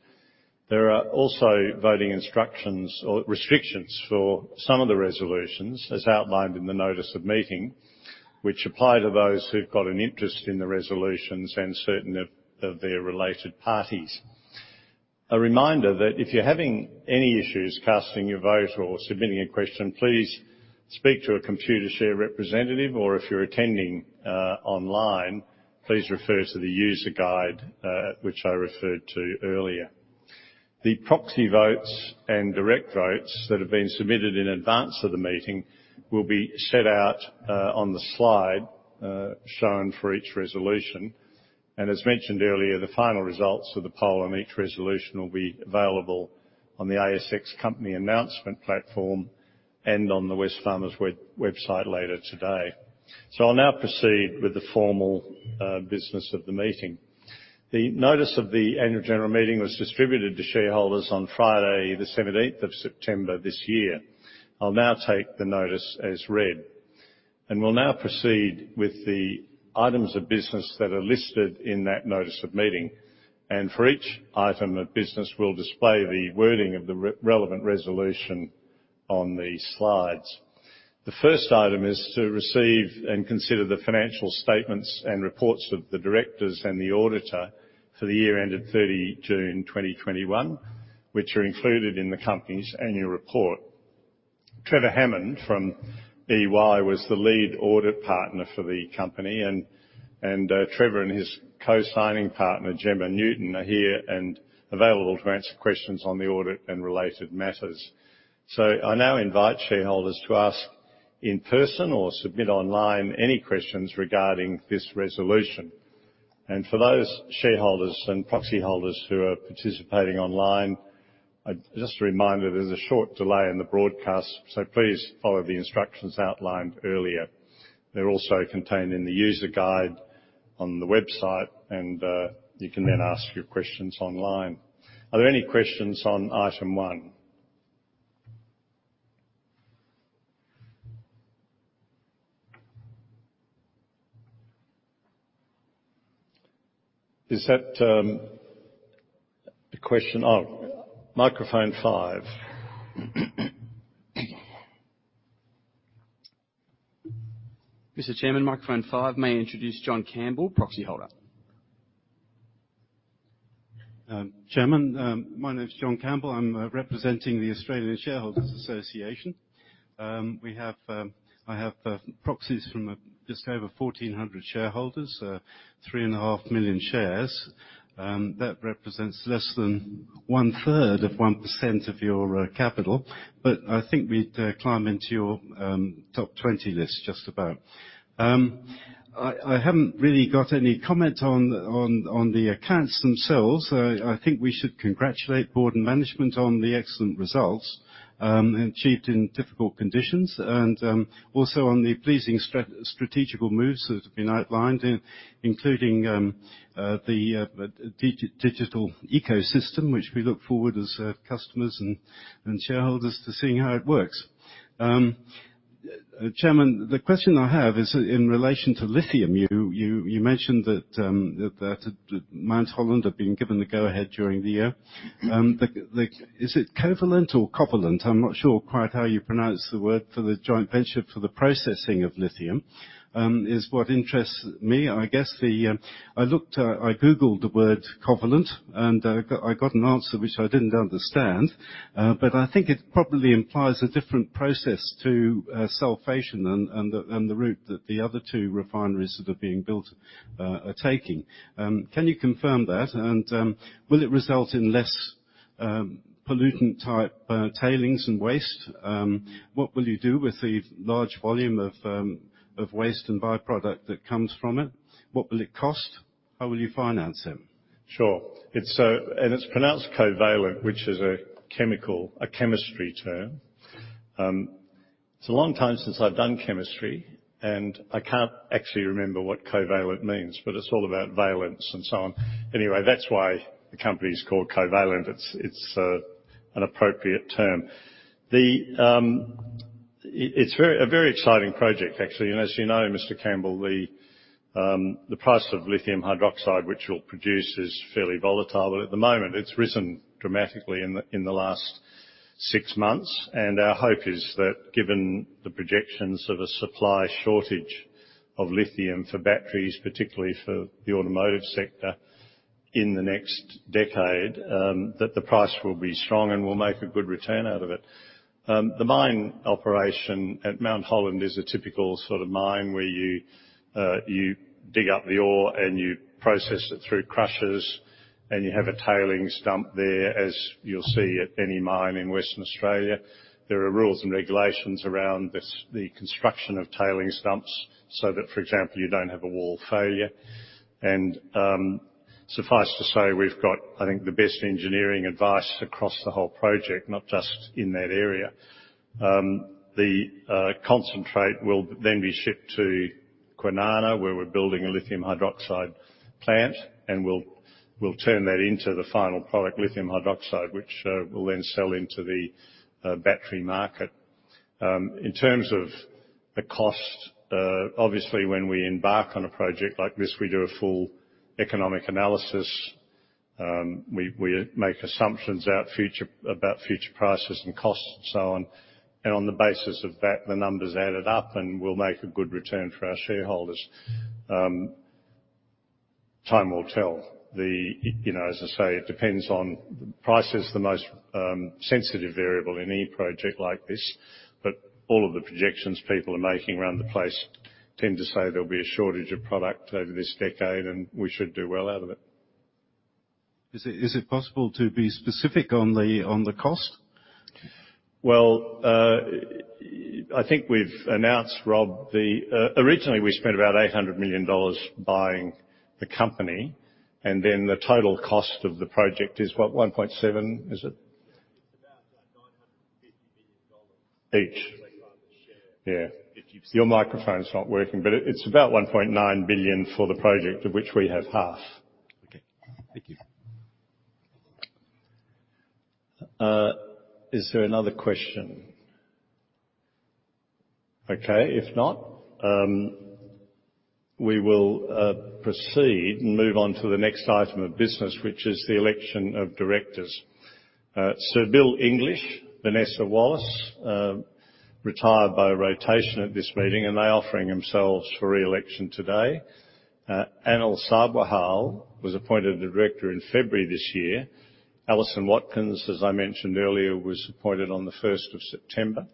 There are also voting instructions or restrictions for some of the resolutions as outlined in the notice of meeting, which apply to those who've got an interest in the resolutions and certain of their related parties. A reminder that if you're having any issues casting your vote or submitting a question, please speak to a Computershare representative, or if you're attending online, please refer to the user guide, which I referred to earlier. The proxy votes and direct votes that have been submitted in advance of the meeting will be set out on the slide shown for each resolution. As mentioned earlier, the final results of the poll on each resolution will be available on the ASX Company Announcement platform and on the Wesfarmers website later today. I'll now proceed with the formal business of the meeting. The notice of the annual general meeting was distributed to shareholders on Friday the 17th of September this year. I'll now take the notice as read. Will now proceed with the items of business that are listed in that notice of meeting. For each item of business, we'll display the wording of the relevant resolution on the slides. The first item is to receive and consider the financial statements and reports of the Directors and the Auditor for the year ended 30 June 2021, which are included in the company's annual report. Trevor Hammond from EY was the lead audit partner for the company, and Trevor and his co-signing partner, Jemma Newton, are here and available to answer questions on the audit and related matters. I now invite shareholders to ask in person or submit online any questions regarding this resolution. For those shareholders and proxy holders who are participating online, just a reminder, there's a short delay in the broadcast, so please follow the instructions outlined earlier. They're also contained in the user guide on the website, and you can then ask your questions online. Are there any questions on item one? Is that the question? Oh, microphone five. Mr. Chairman, microphone five, May I introduce John Campbell, Proxy Holder. Chairman, my name's John Campbell. I'm representing the Australian Shareholders' Association. I have proxies from just over 1,400 Shareholders, three and a half million shares. That represents less than 1/3 of 1% of your capital. I think we'd climb into your top 20 list just about. I haven't really got any comment on the accounts themselves. I think we should congratulate board and management on the excellent results achieved in difficult conditions, and also on the pleasing strategical moves that have been outlined, including the digital ecosystem, which we look forward as customers and shareholders to seeing how it works. Chairman, the question I have is in relation to lithium. You mentioned that Mt Holland had been given the go-ahead during the year. Is it Cevolent or Covalent? I'm not sure quite how you pronounce the word for the joint venture for the processing of lithium, is what interests me. I googled the word Covalent, and I got an answer, which I didn't understand. I think it probably implies a different process to sulfation and the route that the other two refineries that are being built are taking. Can you confirm that, and will it result in less pollutant-type tailings and waste? What will you do with the large volume of waste and by-product that comes from it? What will it cost? How will you finance it? Sure. It's pronounced Covalent, which is a chemistry term. It's a long time since I've done chemistry, and I can't actually remember what covalent means, but it's all about valence and so on. Anyway, that's why the company is called Covalent. It's an appropriate term. It's a very exciting project, actually. As you know, Mr. Campbell, the price of lithium hydroxide, which it will produce, is fairly volatile. At the moment, it's risen dramatically in the last six months. Our hope is that given the projections of a supply shortage of lithium for batteries, particularly for the automotive sector in the next decade, that the price will be strong, and we'll make a good return out of it. The mine operation at Mt Holland is a typical sort of mine, where you dig up the ore and you process it through crushers, and you have a tailing stump there as you will see at any mine in Western Australia. There are rules and regulations around the construction of tailing stumps so that, for example, you do not have a wall failure. Suffice to say, we have got I think the best engineering advice across the whole project, not just in that area. The concentrate will then be shipped to Kwinana, where we are building a lithium hydroxide plant, and we will turn that into the final product, lithium hydroxide, which we will then sell into the battery market. In terms of the cost, obviously, when we embark on a project like this, we do a full economic analysis. We make assumptions about future prices and costs and so on. On the basis of that, the numbers added up, and we'll make a good return for our shareholders. Time will tell. As I say, price is the most sensitive variable in any project like this. All of the projections people are making around the place tend to say there'll be a shortage of product over this decade, and we should do well out of it. Is it possible to be specific on the cost? Well, I think we've announced, Rob, originally, we spent about $800 million buying the company, and then the total cost of the project is what, $1.7 billion, is it? <inaudible> Each? <inaudible> Your microphone's not working, but it's about $1.9 billion for the project, of which we have half. Is there another question? Okay, if not, we will proceed and move on to the next item of business, which is the election of Directors. Bill English, Vanessa Wallace retired by rotation at this meeting, and they're offering themselves for re-election today. Anil Sabharwal was appointed a Director in February this year. Alison Watkins, as I mentioned earlier, was appointed on the 1st of September,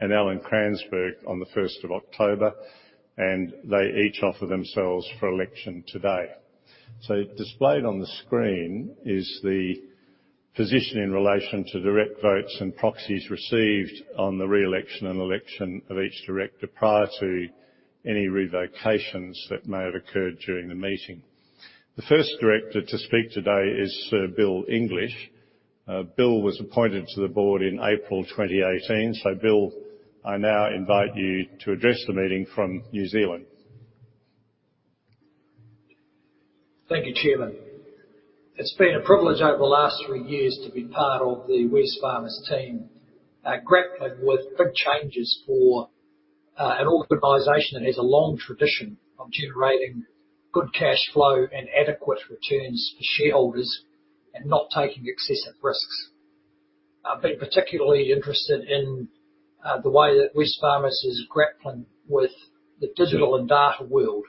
and Alan Cransberg on the 1st of October. They each offer themselves for election today. Displayed on the screen is the position in relation to direct votes and proxies received on the re-election and election of each Director prior to any revocations that may have occurred during the meeting. The first Director to speak today is Bill English. Bill was appointed to the board in April 2018. Bill, I now invite you to address the meeting from New Zealand Thank you, Chairman. It's been a privilege over the last three years to be part of the Wesfarmers team, grappling with big changes for an organization that has a long tradition of generating good cash flow and adequate returns for shareholders, and not taking excessive risks. I've been particularly interested in the way that Wesfarmers is grappling with the digital and data world.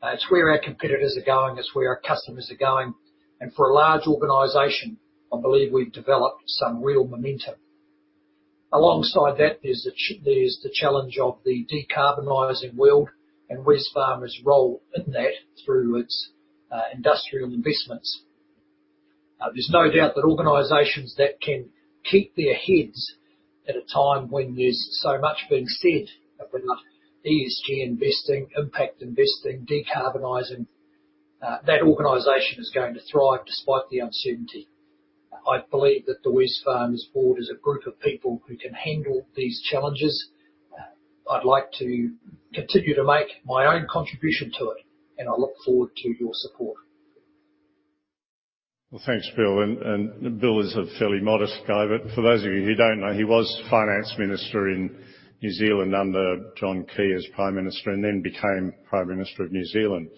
It's where our competitors are going, it's where our customers are going. For a large organization, I believe we've developed some real momentum. Alongside that, there's the challenge of the decarbonizing world and Wesfarmers' role in that through its industrial investments. There's no doubt that organizations that can keep their heads at a time when there's so much being said, whether or not ESG investing, impact investing, decarbonizing, that organization is going to thrive despite the uncertainty. I believe that the Wesfarmers board is a group of people who can handle these challenges. I'd like to continue to make my own contribution to it, and I look forward to your support. Well, thanks, Bill. Bill is a fairly modest guy, but for those of you who don't know, he was Finance Minister in New Zealand under John Key as Prime Minister, and then became Prime Minister of New Zealand.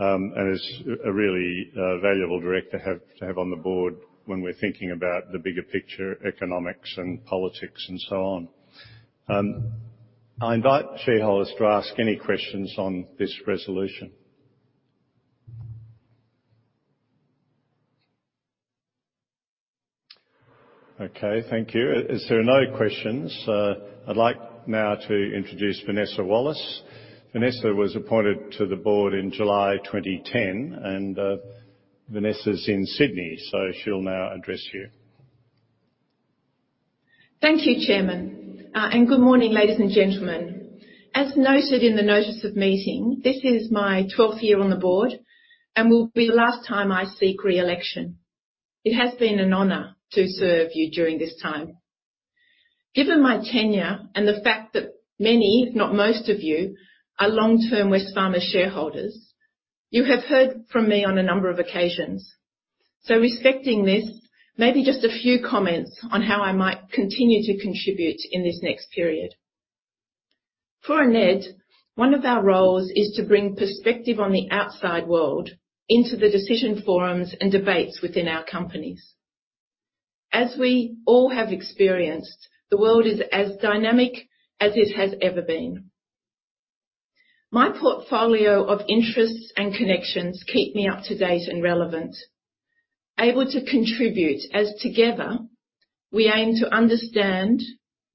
Is a really valuable Director to have on the board when we're thinking about the bigger picture, economics and politics, and so on. I invite shareholders to ask any questions on this resolution. Okay, thank you. As there are no questions, I'd like now to introduce Vanessa Wallace. Vanessa was appointed to the board in July 2010, and Vanessa's in Sydney, so she'll now address you. Thank you, Chairman. Good morning, ladies and gentlemen? As noted in the notice of meeting, this is my 12th year on the board and will be the last time I seek re-election. It has been an honor to serve you during this time. Given my tenure and the fact that many, if not most of you, are long-term Wesfarmers shareholders, you have heard from me on a number of occasions. Respecting this, maybe just a few comments on how I might continue to contribute in this next period. For a NED, one of our roles is to bring perspective on the outside world into the decision forums and debates within our companies. As we all have experienced, the world is as dynamic as it has ever been. My portfolio of interests and connections keep me up-to-date and relevant, able to contribute as together we aim to understand,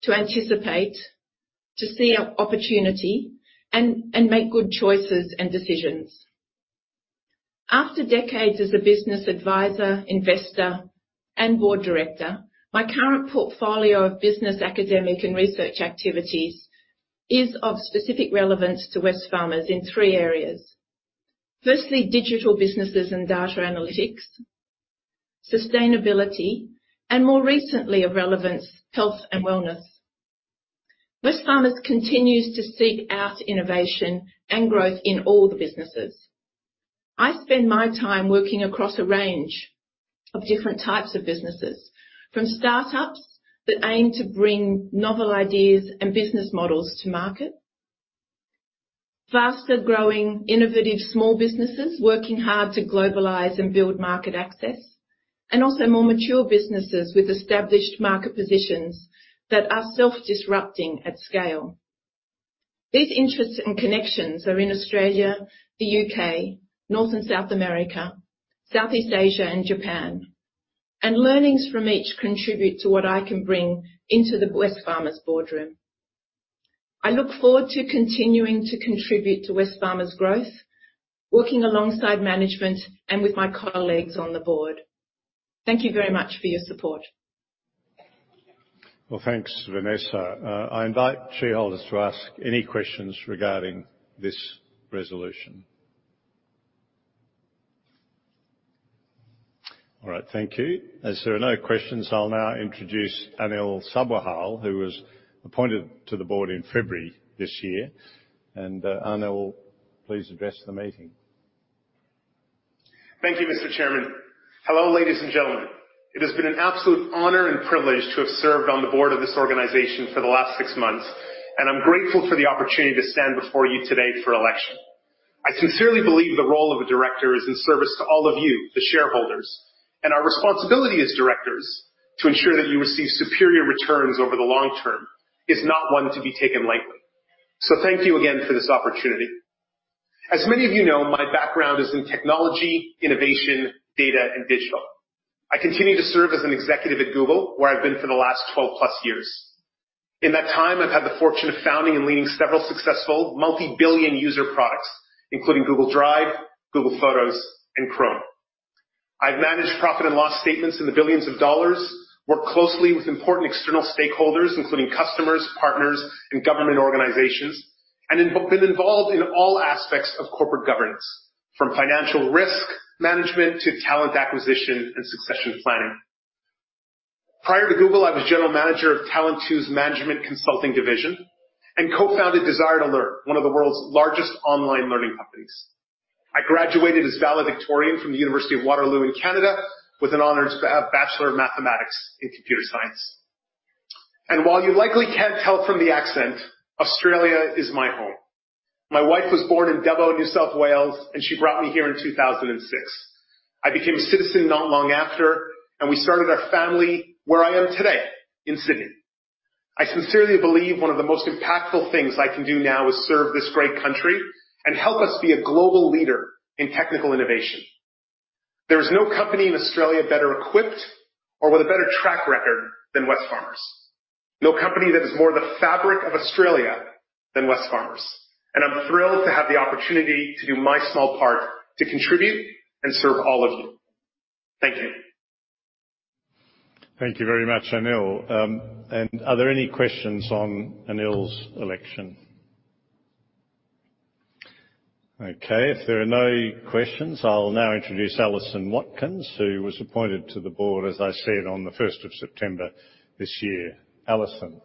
to anticipate, to see opportunity, and make good choices and decisions. After decades as a Business Advisor, Investor, and Board Director, my current portfolio of business, academic, and research activities is of specific relevance to Wesfarmers in three areas. Firstly, digital businesses and data analytics, sustainability, and more recently of relevance, health and wellness. Wesfarmers continues to seek out innovation and growth in all the businesses. I spend my time working across a range of different types of businesses, from startups that aim to bring novel ideas and business models to market, faster-growing innovative small businesses working hard to globalize and build market access, and also more mature businesses with established market positions that are self-disrupting at scale. These interests and connections are in Australia, the U.K., North and South America, Southeast Asia, and Japan, and learnings from each contribute to what I can bring into the Wesfarmers boardroom. I look forward to continuing to contribute to Wesfarmers' growth, working alongside management and with my colleagues on the board. Thank you very much for your support. Well, thanks, Vanessa. I invite shareholders to ask any questions regarding this resolution. All right, thank you. As there are no questions, I'll now introduce Anil Sabharwal, who was appointed to the board in February this year, and Anil, please address the meeting. Thank you, Mr. Chairman. Hello, ladies and gentlemen? It has been an absolute honor and privilege to have served on the board of this organization for the last six months, and I'm grateful for the opportunity to stand before you today for election. I sincerely believe the role of a director is in service to all of you, the shareholders. Our responsibility as Directors to ensure that you receive superior returns over the long term is not one to be taken lightly. Thank you again for this opportunity. As many of you know, my background is in technology, innovation, data, and digital. I continue to serve as an executive at Google, where I've been for the last 12+ years. In that time, I've had the fortune of founding and leading several successful multi-billion user products, including Google Drive, Google Photos, and Chrome. I've managed profit and loss statements in the billions of AUD, worked closely with important external stakeholders, including customers, partners, and government organizations, and been involved in all aspects of corporate governance, from financial risk management to talent acquisition and succession planning. Prior to Google, I was General Manager of Deloitte's Management Consulting Division and Co-Founded Desire2Learn, one of the world's largest online learning companies. I graduated as valedictorian from the University of Waterloo in Canada with an honors Bachelor of Mathematics in Computer Science. While you likely can't tell from the accent, Australia is my home. My wife was born in Dubbo, New South Wales, and she brought me here in 2006. I became a citizen not long after, and we started our family where I am today, in Sydney. I sincerely believe one of the most impactful things I can do now is serve this great country and help us be a global leader in technical innovation. There is no company in Australia better equipped or with a better track record than Wesfarmers. No company that is more the fabric of Australia than Wesfarmers, and I'm thrilled to have the opportunity to do my small part to contribute and serve all of you. Thank you. Thank you very much, Anil. Are there any questions on Anil's election? Okay, if there are no questions, I'll now introduce Alison Watkins, who was appointed to the board, as I said, on the 1st of September this year. Alison.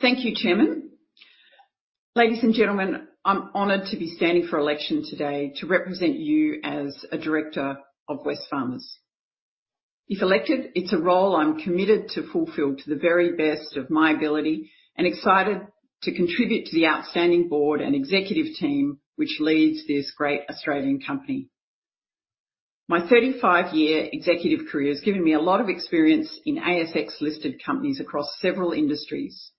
Thank you, Chairman. Ladies and gentlemen, I'm honored to be standing for election today to represent you as a Director of Wesfarmers. If elected, it's a role I'm committed to fulfill to the very best of my ability, and excited to contribute to the outstanding board and executive team which leads this great Australian company. My 35-year executive career has given me a lot of experience in ASX-listed companies across several industries.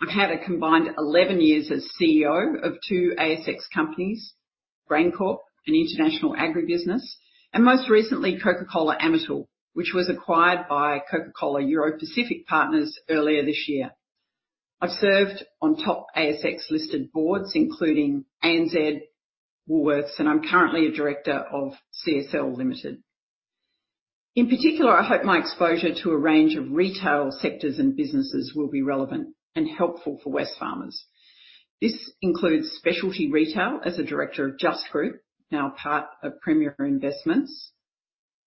I've had a combined 11 years as Chief Executive Officer of two ASX companies, GrainCorp, an international agribusiness, and most recently Coca-Cola Amatil, which was acquired by Coca-Cola Europacific Partners earlier this year. I've served on top ASX-listed boards, including ANZ, Woolworths, and I'm currently a director of CSL Limited. In particular, I hope my exposure to a range of retail sectors and businesses will be relevant and helpful for Wesfarmers. This includes specialty retail as a director of Just Group, now part of Premier Investments,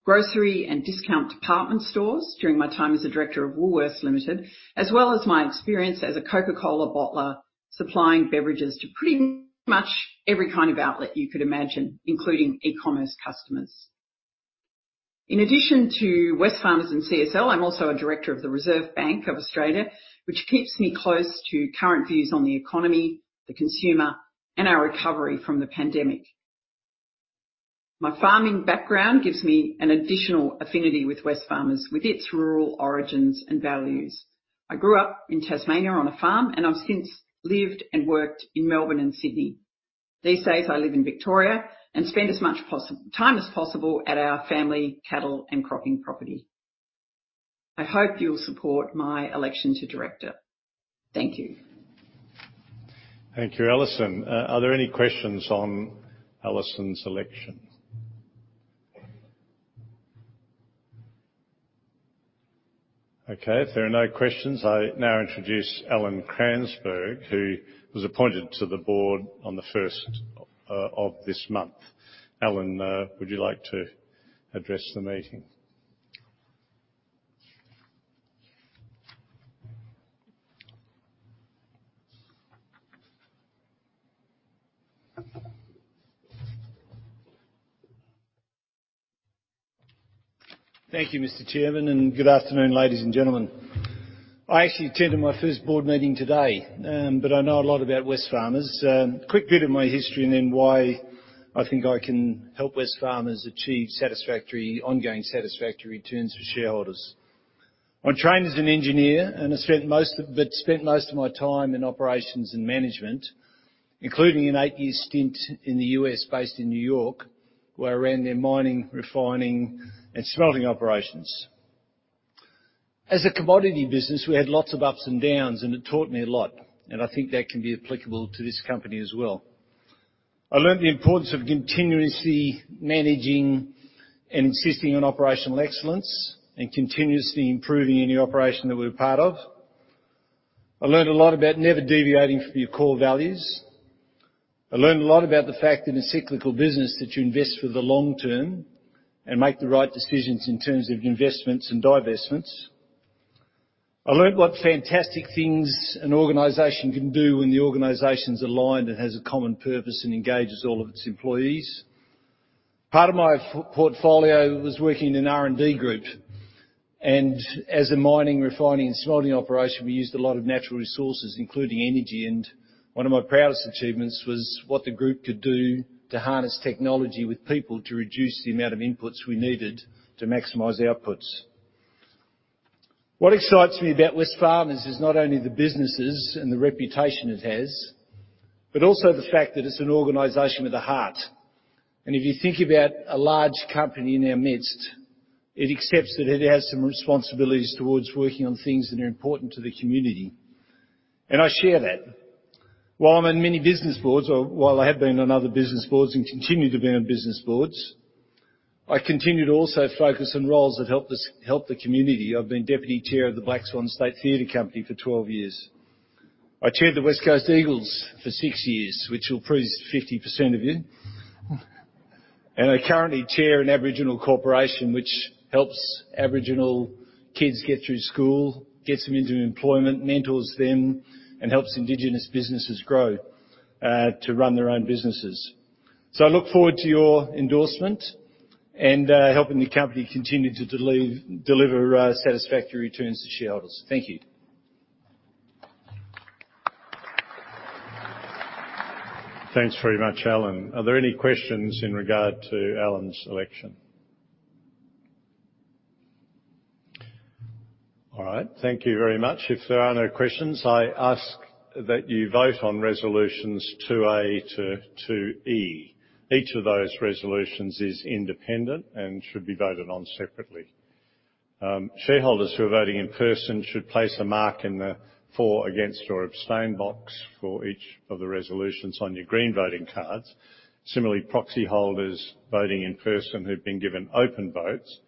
Grocery and Discount Department Stores during my time as a Director of Woolworths Limited, as well as my experience as a Coca-Cola bottler, supplying beverages to pretty much every kind of outlet you could imagine, including E-Commerce customers. In addition to Wesfarmers and CSL, I'm also a Director of the Reserve Bank of Australia, which keeps me close to current views on the economy, the consumer, and our recovery from the pandemic. My farming background gives me an additional affinity with Wesfarmers, with its rural origins and values. I grew up in Tasmania on a farm, and I've since lived and worked in Melbourne and Sydney. These days I live in Victoria and spend as much time as possible at our family cattle and cropping property. I hope you'll support my election to Director. Thank you. Thank you, Alison. Are there any questions on Alison's election? Okay, if there are no questions, I now introduce Alan Cransberg, who was appointed to the board on the 1st of this month. Alan, would you like to address the meeting? Thank you, Mr. Chairman. Good afternoon ladies and gentlemen? I actually attend my first board meeting today. I know a lot about Wesfarmers. Quick bit of my history. Then why I think I can help Wesfarmers achieve ongoing satisfactory returns for shareholders. I trained as an Engineer but spent most of my time in Operations and Management, including an eight-year stint in the U.S. based in New York, where I ran their Mining, Refining, and Smelting Operations. As a commodity business, we had lots of ups and downs. It taught me a lot. I think that can be applicable to this company as well. I learned the importance of continuously managing and insisting on operational excellence and continuously improving any operation that we're a part of. I learned a lot about never deviating from your core values. I learned a lot about the fact in a cyclical business that you invest for the long term and make the right decisions in terms of investments and divestments. I learned what fantastic things an organization can do when the organization's aligned and has a common purpose and engages all of its employees. Part of my portfolio was working in an R&D group. As a Mining, Refining, and Smelting Operation, we used a lot of natural resources, including energy. One of my proudest achievements was what the group could do to harness technology with people to reduce the amount of inputs we needed to maximize outputs. What excites me about Wesfarmers is not only the businesses and the reputation it has, but also the fact that it's an organization with a heart. If you think about a large company in our midst, it accepts that it has some responsibilities towards working on things that are important to the community, and I share that. While I'm on many business boards, or while I have been on other business boards and continue to be on business boards, I continue to also focus on roles that help the community. I've been Deputy Chair of the Black Swan State Theatre Company for 12 years. I Chaired the West Coast Eagles for six years, which will please 50% of you. I currently Chair an Aboriginal Corporation which helps Aboriginal kids get through school, gets them into employment, mentors them, and helps Indigenous businesses grow, to run their own businesses. I look forward to your endorsement and helping the company continue to deliver satisfactory returns to shareholders. Thank you. Thanks very much, Alan. Are there any questions in regard to Alan's election? All right. Thank you very much. If there are no questions, I ask that you vote on resolutions 2A to 2E. Each of those resolutions is independent and should be voted on separately. Shareholders who are voting in person should place a mark in the For, Against, or Abstain box for each of the resolutions on your green voting cards. Similarly, proxy holders voting in person who've been given open votes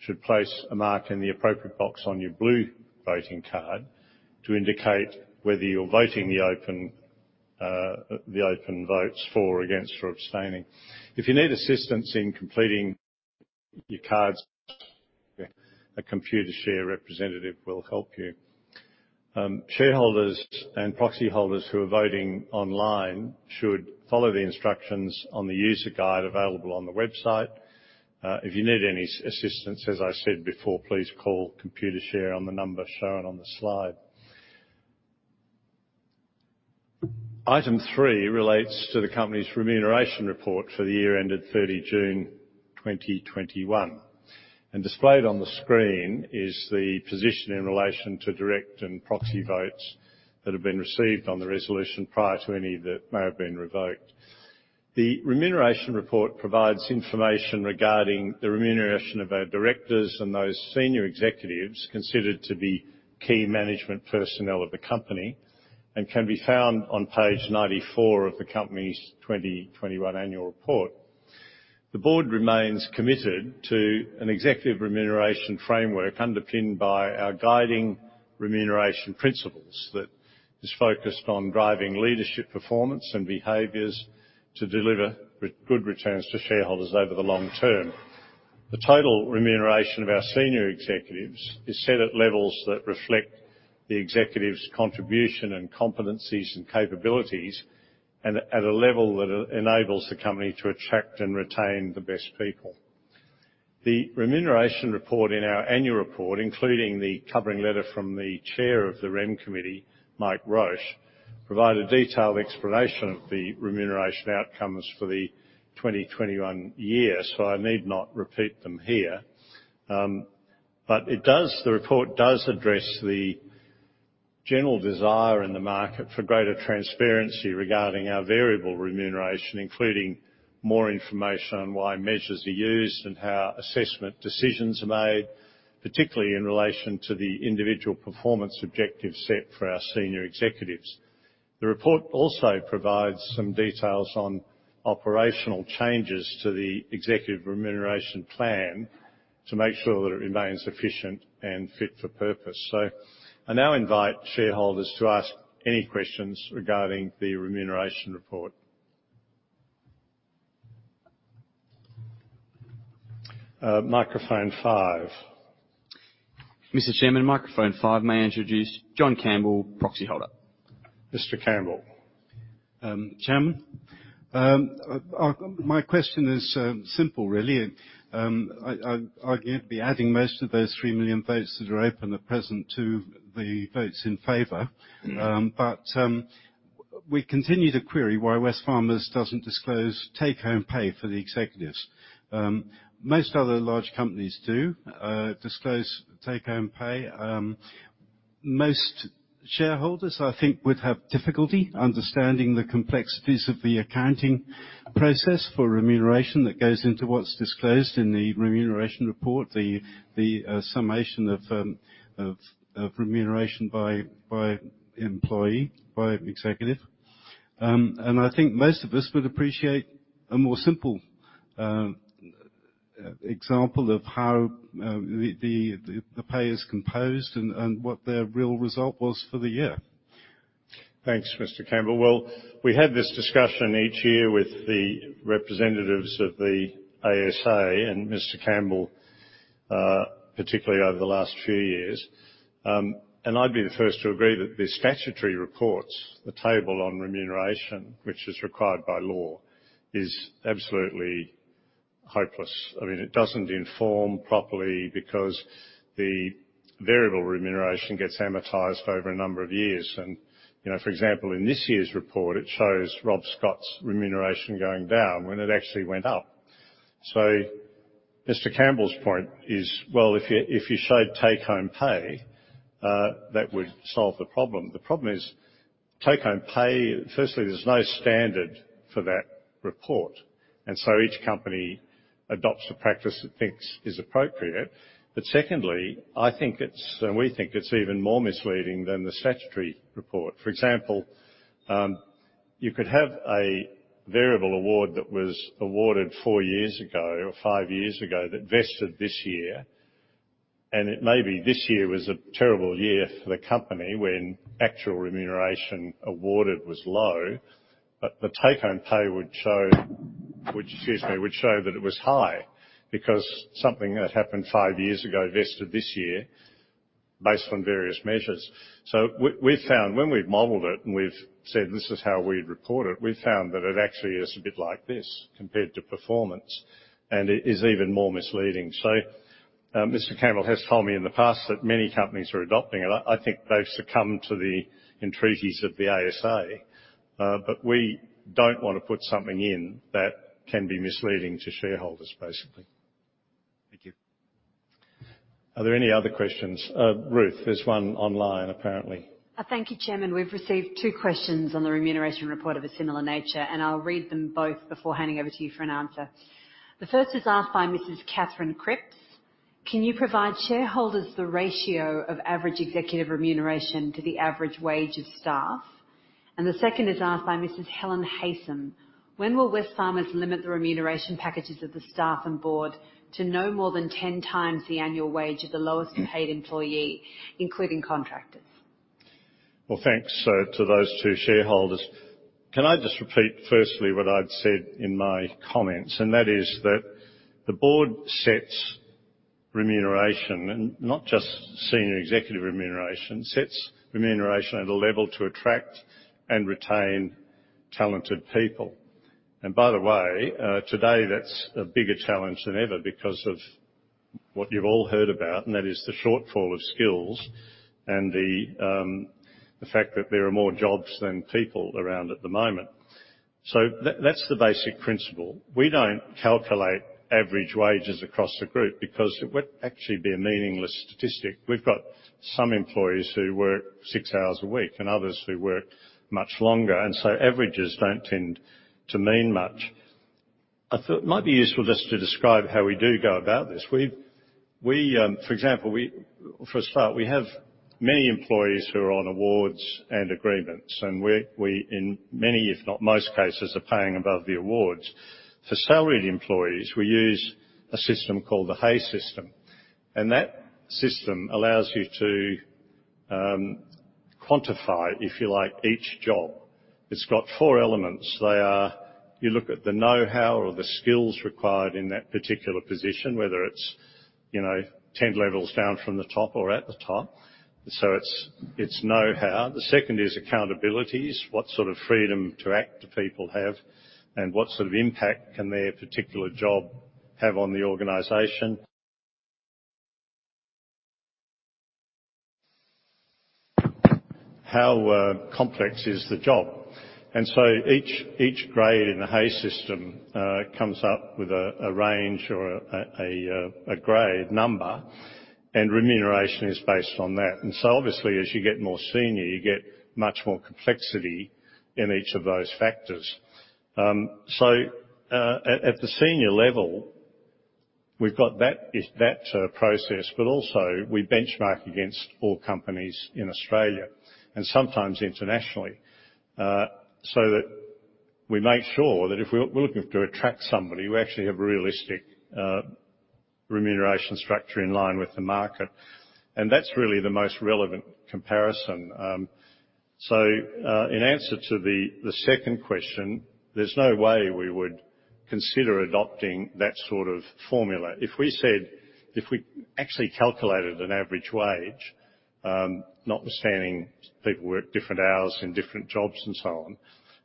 should place a mark in the appropriate box on your blue voting card to indicate whether you're voting the open votes For or Against or Abstaining. If you need assistance in completing your cards, a Computershare representative will help you. Shareholders and proxy holders who are voting online should follow the instructions on the user guide available on the website. If you need any assistance, as I said before, please call Computershare on the number shown on the slide. Item three relates to the company's remuneration report for the year ended 30 June 2021. Displayed on the screen is the position in relation to direct and proxy votes that have been received on the resolution prior to any that may have been revoked. The remuneration report provides information regarding the remuneration of our Directors and those Senior Executives considered to be key management personnel of the company and can be found on page 94 of the company's 2021 annual report. The board remains committed to an executive remuneration framework underpinned by our guiding remuneration principles that is focused on driving leadership performance and behaviors to deliver good returns to shareholders over the long term. The total remuneration of our Senior Executives is set at levels that reflect the Executives' contribution and competencies and capabilities and at a level that enables the company to attract and retain the best people. The remuneration report in our annual report, including the covering letter from the chair of the Rem Committee, Mike Roche, provide a detailed explanation of the remuneration outcomes for the 2021 year. I need not repeat them here. The report does address the general desire in the market for greater transparency regarding our variable remuneration, including more information on why measures are used and how assessment decisions are made, particularly in relation to the individual performance objectives set for our Senior Executives. The report also provides some details on operational changes to the Executive remuneration plan to make sure that it remains efficient and fit for purpose. I now invite shareholders to ask any questions regarding the remuneration report. Microphone 5. Mr. Chairman, microphone 5, may I introduce John Campbell, proxy holder. Mr. Campbell? Chairman. My question is simple, really. I'd be adding most of those three million votes that are open at present to the votes in favor. We continue to query why Wesfarmers doesn't disclose take-home pay for the executives. Most other large companies do disclose take-home pay. Most shareholders, I think, would have difficulty understanding the complexities of the accounting process for remuneration that goes into what's disclosed in the remuneration report, the summation of remuneration by employee, by executive. I think most of us would appreciate a more simple example of how the pay is composed and what their real result was for the year. Thanks, Mr. Campbell. Well, we have this discussion each year with the representatives of the ASA and Mr. Campbell, particularly over the last few years. I'd be the first to agree that the statutory reports, the table on remuneration, which is required by law, is absolutely hopeless. It doesn't inform properly because the variable remuneration gets amortized over a number of years. For example, in this year's report, it shows Rob Scott's remuneration going down when it actually went up. Mr. Campbell's point is, well, if you showed take-home pay, that would solve the problem. The problem is take-home pay, firstly, there's no standard for that report, and so each company adopts a practice it thinks is appropriate. Secondly, we think it's even more misleading than the statutory report. For example, you could have a variable award that was awarded four years ago or five years ago that vested this year. It may be this year was a terrible year for the company when actual remuneration awarded was low, but the take-home pay would show that it was high because something that happened five years ago vested this year based on various measures. We've found when we've modeled it and we've said this is how we'd report it, we've found that it actually is a bit like this compared to performance, and it is even more misleading. Mr. Campbell has told me in the past that many companies are adopting it. I think they've succumbed to the entreaties of the ASA. We don't want to put something in that can be misleading to shareholders, basically. Thank you. Are there any other questions? Ruth, there's one online, apparently. Thank you, Chairman. We've received two questions on the remuneration report of a similar nature, and I'll read them both before handing over to you for an answer. The first is asked by Mrs. Catherine Cripps. Can you provide shareholders the ratio of average executive remuneration to the average wage of staff? The second is asked by Mrs. Helen Haysom. When will Wesfarmers limit the remuneration packages of the staff and board to no more than 10x the annual wage of the lowest paid employee, including contractors? Well, thanks to those two shareholders. Can I just repeat firstly what I'd said in my comments, and that is that the board sets remuneration, and not just Senior Executive remuneration, sets remuneration at a level to attract and retain talented people. By the way, today that's a bigger challenge than ever because of what you've all heard about, and that is the shortfall of skills and the fact that there are more jobs than people around at the moment. That's the basic principle. We don't calculate average wages across the group because it would actually be a meaningless statistic. We've got some employees who work six hours a week and others who work much longer, and so averages don't tend to mean much. I thought it might be useful just to describe how we do go about this. For example, for a start, we have many employees who are on awards and agreements. We, in many if not most cases, are paying above the awards. For salaried employees, we use a system called the Hay system. That system allows you to quantify, if you like, each job. It has four elements. They are. You look at the know-how or the skills required in that particular position, whether it is 10 levels down from the top or at the top. It is know-how. The second is accountabilities. What sort of freedom to act do people have, and what sort of impact can their particular job have on the organization? How complex is the job? Each grade in the Hay system comes up with a range or a grade number, and remuneration is based on that. Obviously as you get more senior, you get much more complexity in each of those factors. At the senior level, we've got that process, but also we benchmark against all companies in Australia, and sometimes internationally, so that we make sure that if we're looking to attract somebody, we actually have a realistic remuneration structure in line with the market. That's really the most relevant comparison. In answer to the second question, there's no way we would consider adopting that sort of formula. If we actually calculated an average wage, notwithstanding people work different hours in different jobs and so on,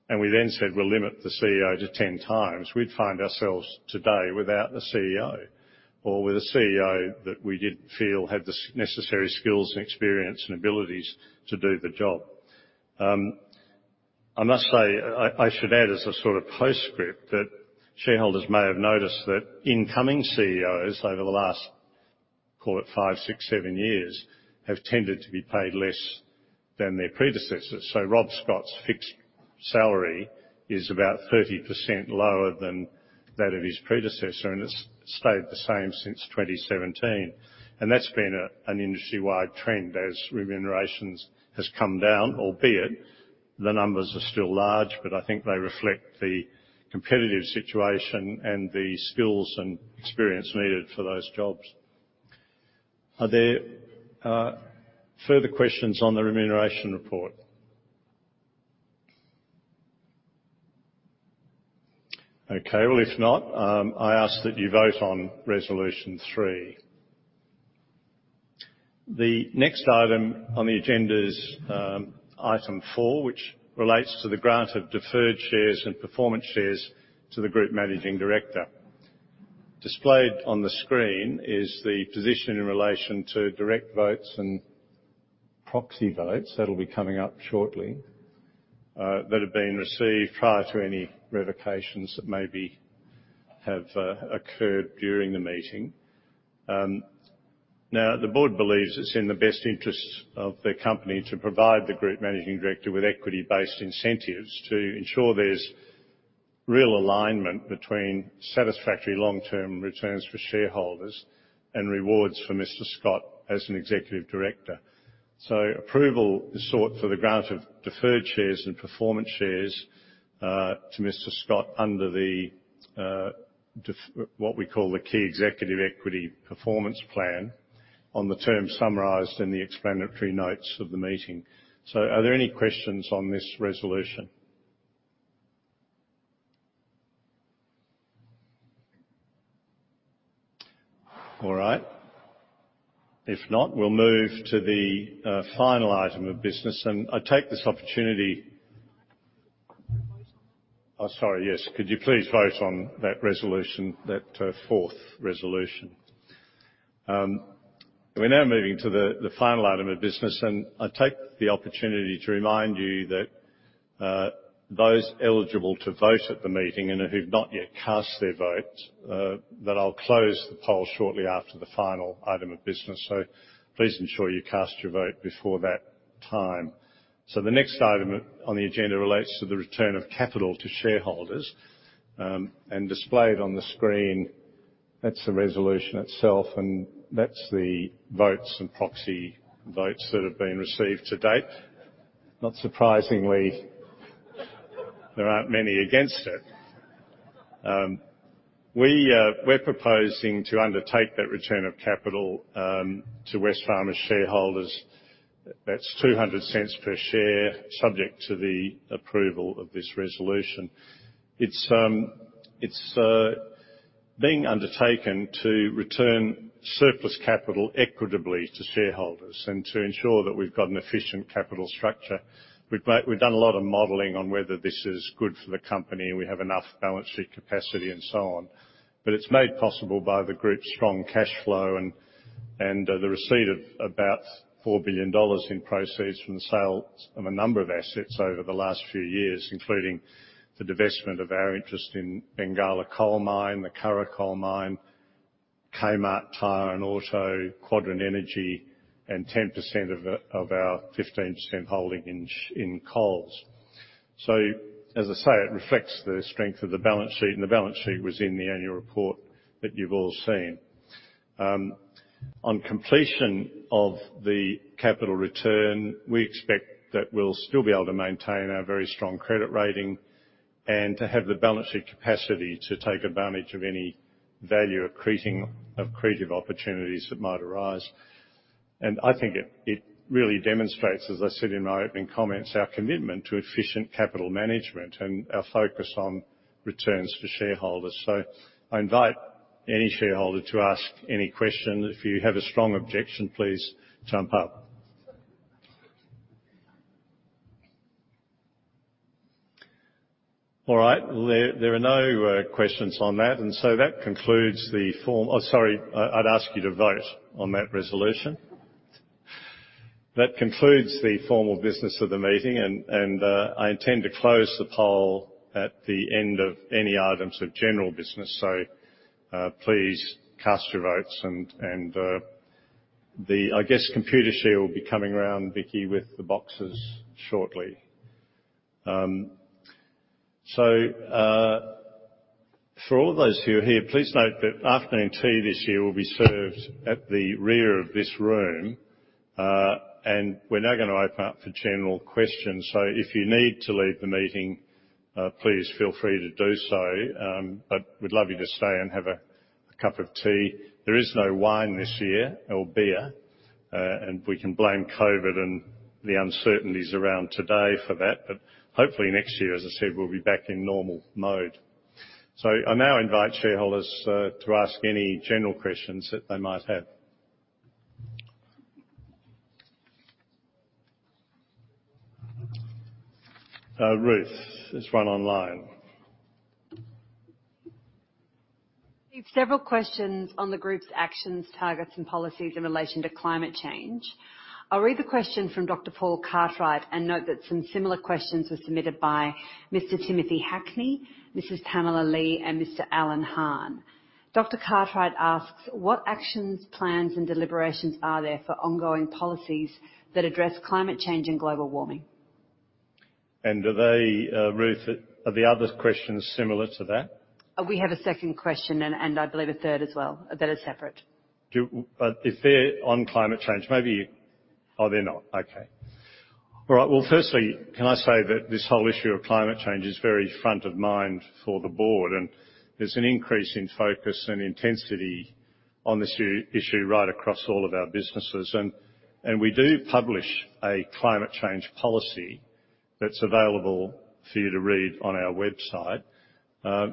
and we then said we'll limit the Chief Executive Officer to 10x, we'd find ourselves today without a Chief Executive Officer or with a Chief Executive Officer that we didn't feel had the necessary skills and experience and abilities to do the job. I must say, I should add as a sort of postscript that shareholders may have noticed that incoming Chief Executive Officers over the last, call it five, six, seven years, have tended to be paid less than their predecessors. Rob Scott's fixed salary is about 30% lower than that of his predecessor, and it's stayed the same since 2017. That's been an industry-wide trend as remuneration has come down, albeit the numbers are still large, but I think they reflect the competitive situation and the skills and experience needed for those jobs. Are there further questions on the remuneration report? Okay, well, if not, I ask that you vote on resolution 3. The next item on the agenda is item 4, which relates to the grant of deferred shares and performance shares to the group Managing Director. Displayed on the screen is the position in relation to direct votes and proxy votes. That'll be coming up shortly, that have been received prior to any revocations that maybe have occurred during the meeting. Now, the board believes it's in the best interests of the company to provide the group Managing Director with equity-based incentives to ensure there's real alignment between satisfactory long-term returns for shareholders and rewards for Mr. Scott as an Executive Director. Approval is sought for the grant of deferred shares and performance shares to Mr. Scott under the what we call the Key Executive Equity Performance Plan on the terms summarized in the explanatory notes of the meeting. Are there any questions on this resolution? All right. If not, we'll move to the final item of business, and I take this opportunity- <inaudible> Sorry, yes. Could you please vote on that resolution, that 4th resolution? We're now moving to the final item of business. I take the opportunity to remind you that those eligible to vote at the meeting, and who've not yet cast their vote, that I'll close the poll shortly after the final item of business. Please ensure you cast your vote before that time. The next item on the agenda relates to the return of capital to shareholders. Displayed on the screen, that's the resolution itself, and that's the votes and proxy votes that have been received to date. Not surprisingly, there aren't many against it. We're proposing to undertake that return of capital to Wesfarmers shareholders. That's $2.00 per share, subject to the approval of this resolution. It's being undertaken to return surplus capital equitably to shareholders and to ensure that we've got an efficient capital structure. We've done a lot of modeling on whether this is good for the company, we have enough balance sheet capacity and so on. It's made possible by the group's strong cash flow and the receipt of about $4 billion in proceeds from the sale of a number of assets over the last few years, including the divestment of our interest in Bengalla Coal Mine, the Curragh Coal Mine, Kmart Tyre & Auto, Quadrant Energy, and 10% of our 15% holding in Coles. As I say, it reflects the strength of the balance sheet, the balance sheet was in the annual report that you've all seen. On completion of the capital return, we expect that we'll still be able to maintain our very strong credit rating and to have the balance sheet capacity to take advantage of any value accretive opportunities that might arise. I think it really demonstrates, as I said in my opening comments, our commitment to efficient capital management and our focus on returns for shareholders. I invite any shareholder to ask any question. If you have a strong objection, please jump up. All right. There are no questions on that concludes the form Oh, sorry. I'd ask you to vote on that resolution. That concludes the formal business of the meeting, I intend to close the poll at the end of any items of general business. Please cast your votes and the I guess Computershare will be coming around, Vicki, with the boxes shortly. For all those who are here, please note that afternoon tea this year will be served at the rear of this room. We're now going to open up for general questions. If you need to leave the meeting, please feel free to do so. We'd love you to stay and have a cup of tea. There is no wine this year or beer, and we can blame COVID and the uncertainties around today for that. Hopefully next year, as I said, we'll be back in normal mode. I now invite shareholders to ask any general questions that they might have. Ruth, there's one online. We have several questions on the group's actions, targets, and policies in relation to climate change. I'll read the question from Dr. Paul Cartwright and note that some similar questions were submitted by Mr. Timothy Hackney, Mrs. Pamela Lee, and Mr. Alan Hahn. Dr. Cartwright asks, What actions, plans, and deliberations are there for ongoing policies that address climate change and global warming? Do they, Ruth, are the other questions similar to that? We have a second question and I believe a third as well that are separate. If they're on climate change, maybe Oh, they're not. Okay. All right. Well, firstly, can I say that this whole issue of climate change is very front of mind for the Board, and there's an increase in focus and intensity on this issue right across all of our businesses. We do publish a climate change policy that's available for you to read on our website.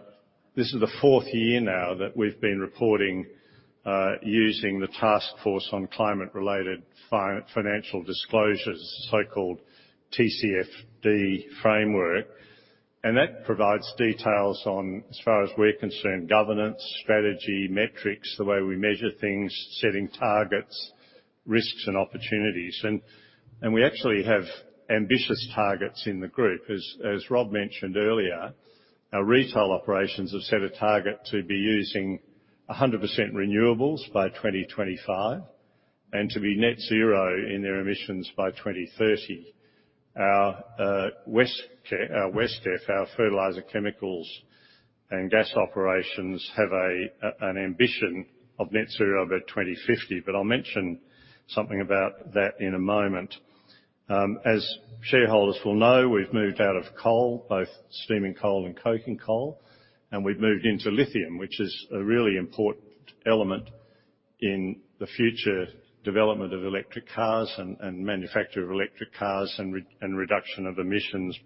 This is the 4th year now that we've been reporting using the Task Force on Climate-related Financial Disclosures, the so-called TCFD framework. That provides details on, as far as we're concerned, governance, strategy, metrics, the way we measure things, setting targets, risks, and opportunities. We actually have ambitious targets in the group. As Rob mentioned earlier, our retail operations have set a target to be using 100% renewables by 2025 and to be net zero in their emissions by 2030. Our WesCEF, our fertilizer, chemicals, and gas operations have an ambition of net zero by 2050, but I'll mention something about that in a moment. As shareholders will know, we've moved out of coal, both steaming coal and coking coal, and we've moved into lithium, which is a really important element in the future development of electric cars and manufacture of electric cars, and reduction of emissions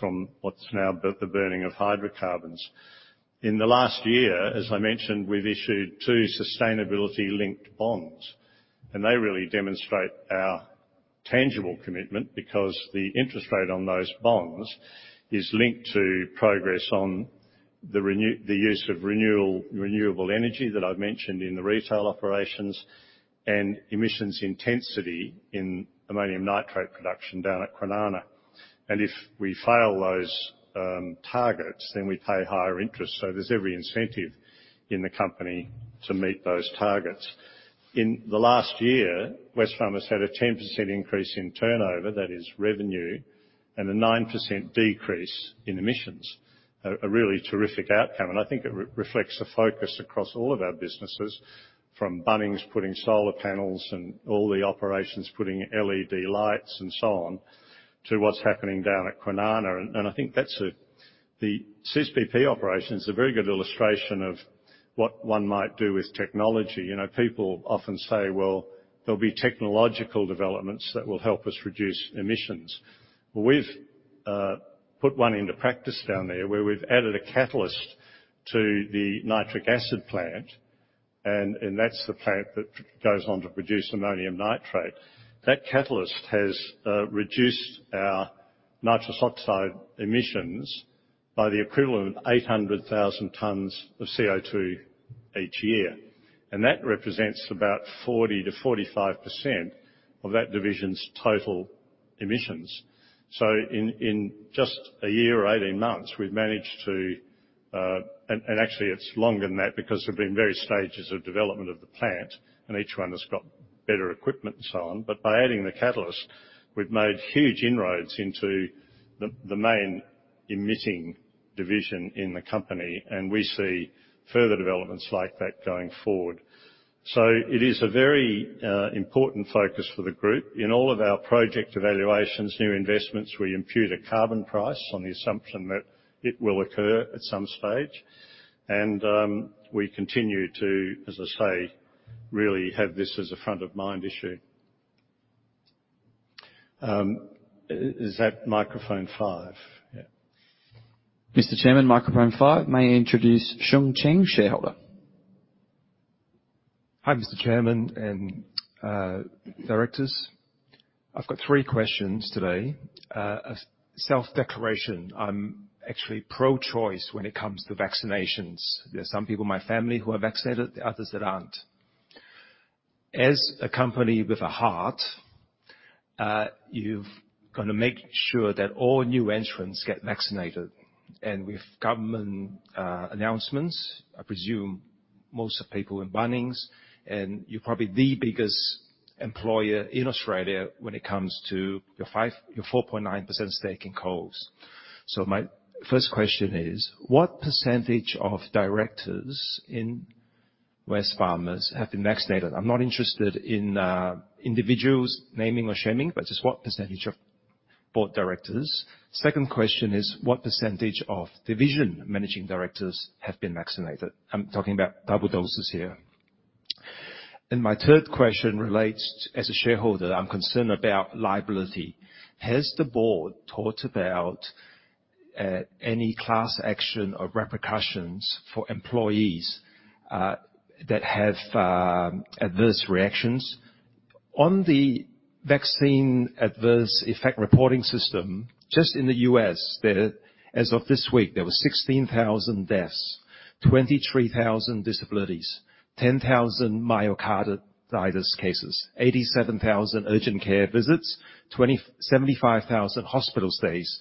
from what's now the burning of hydrocarbons. In the last year, as I mentioned, we've issued two sustainability linked bonds, and they really demonstrate our tangible commitment because the interest rate on those bonds is linked to progress on the use of renewable energy that I've mentioned in the retail operations, and emissions intensity in ammonium nitrate production down at Kwinana. If we fail those targets, then we pay higher interest, so there's every incentive in the company to meet those targets. In the last year, Wesfarmers had a 10% increase in turnover, that is revenue, and a 9% decrease in emissions. A really terrific outcome, I think it reflects the focus across all of our businesses from Bunnings putting solar panels and all the operations putting LED lights and so on, to what's happening down at Kwinana. I think the CSBP operation is a very good illustration of what one might do with technology. People often say, well, there'll be technological developments that will help us reduce emissions. We've put one into practice down there where we've added a catalyst to the nitric acid plant, and that's the plant that goes on to produce ammonium nitrate. That catalyst has reduced our nitrous oxide emissions by the equivalent of 800,000 tons of CO2 each year, that represents about 40%-45% of that division's total emissions. In just a year or 18 months, and actually it's longer than that because there have been various stages of development of the plant and each one has got better equipment and so on. By adding the catalyst, we've made huge inroads into the main emitting division in the company, and we see further developments like that going forward. It is a very important focus for the group. In all of our project evaluations, new investments, we impute a carbon price on the assumption that it will occur at some stage. We continue to, as I say, really have this as a front of mind issue. Is that microphone 5? Yeah. Mr. Chairman, microphone 5, may I introduce Sheng Cheng, shareholder. Hi, Mr. Chairman and directors. I have got three questions today. A Self-Declaration. I am actually pro-choice when it comes to vaccinations. There are some people in my family who are vaccinated, others that aren't. As a company with a heart, you have got to make sure that all new entrants get vaccinated. With government announcements, I presume most of the people in Bunnings, and you are probably the biggest employer in Australia when it comes to your 4.9% stake in Coles. My first question is, what percentage of directors in Wesfarmers have been vaccinated? I am not interested in individuals naming or shaming, but just what percentage of board directors? Second question is, what percentage of division managing directors have been vaccinated? I am talking about double doses here. My third question relates, as a shareholder, I am concerned about liability. Has the board thought about any class action or repercussions for employees that have adverse reactions? On the vaccine adverse effect reporting system, just in the U.S., as of this week, there were 16,000 deaths, 23,000 disabilities, 10,000 myocarditis cases, 87,000 urgent care visits, 75,000 hospital stays,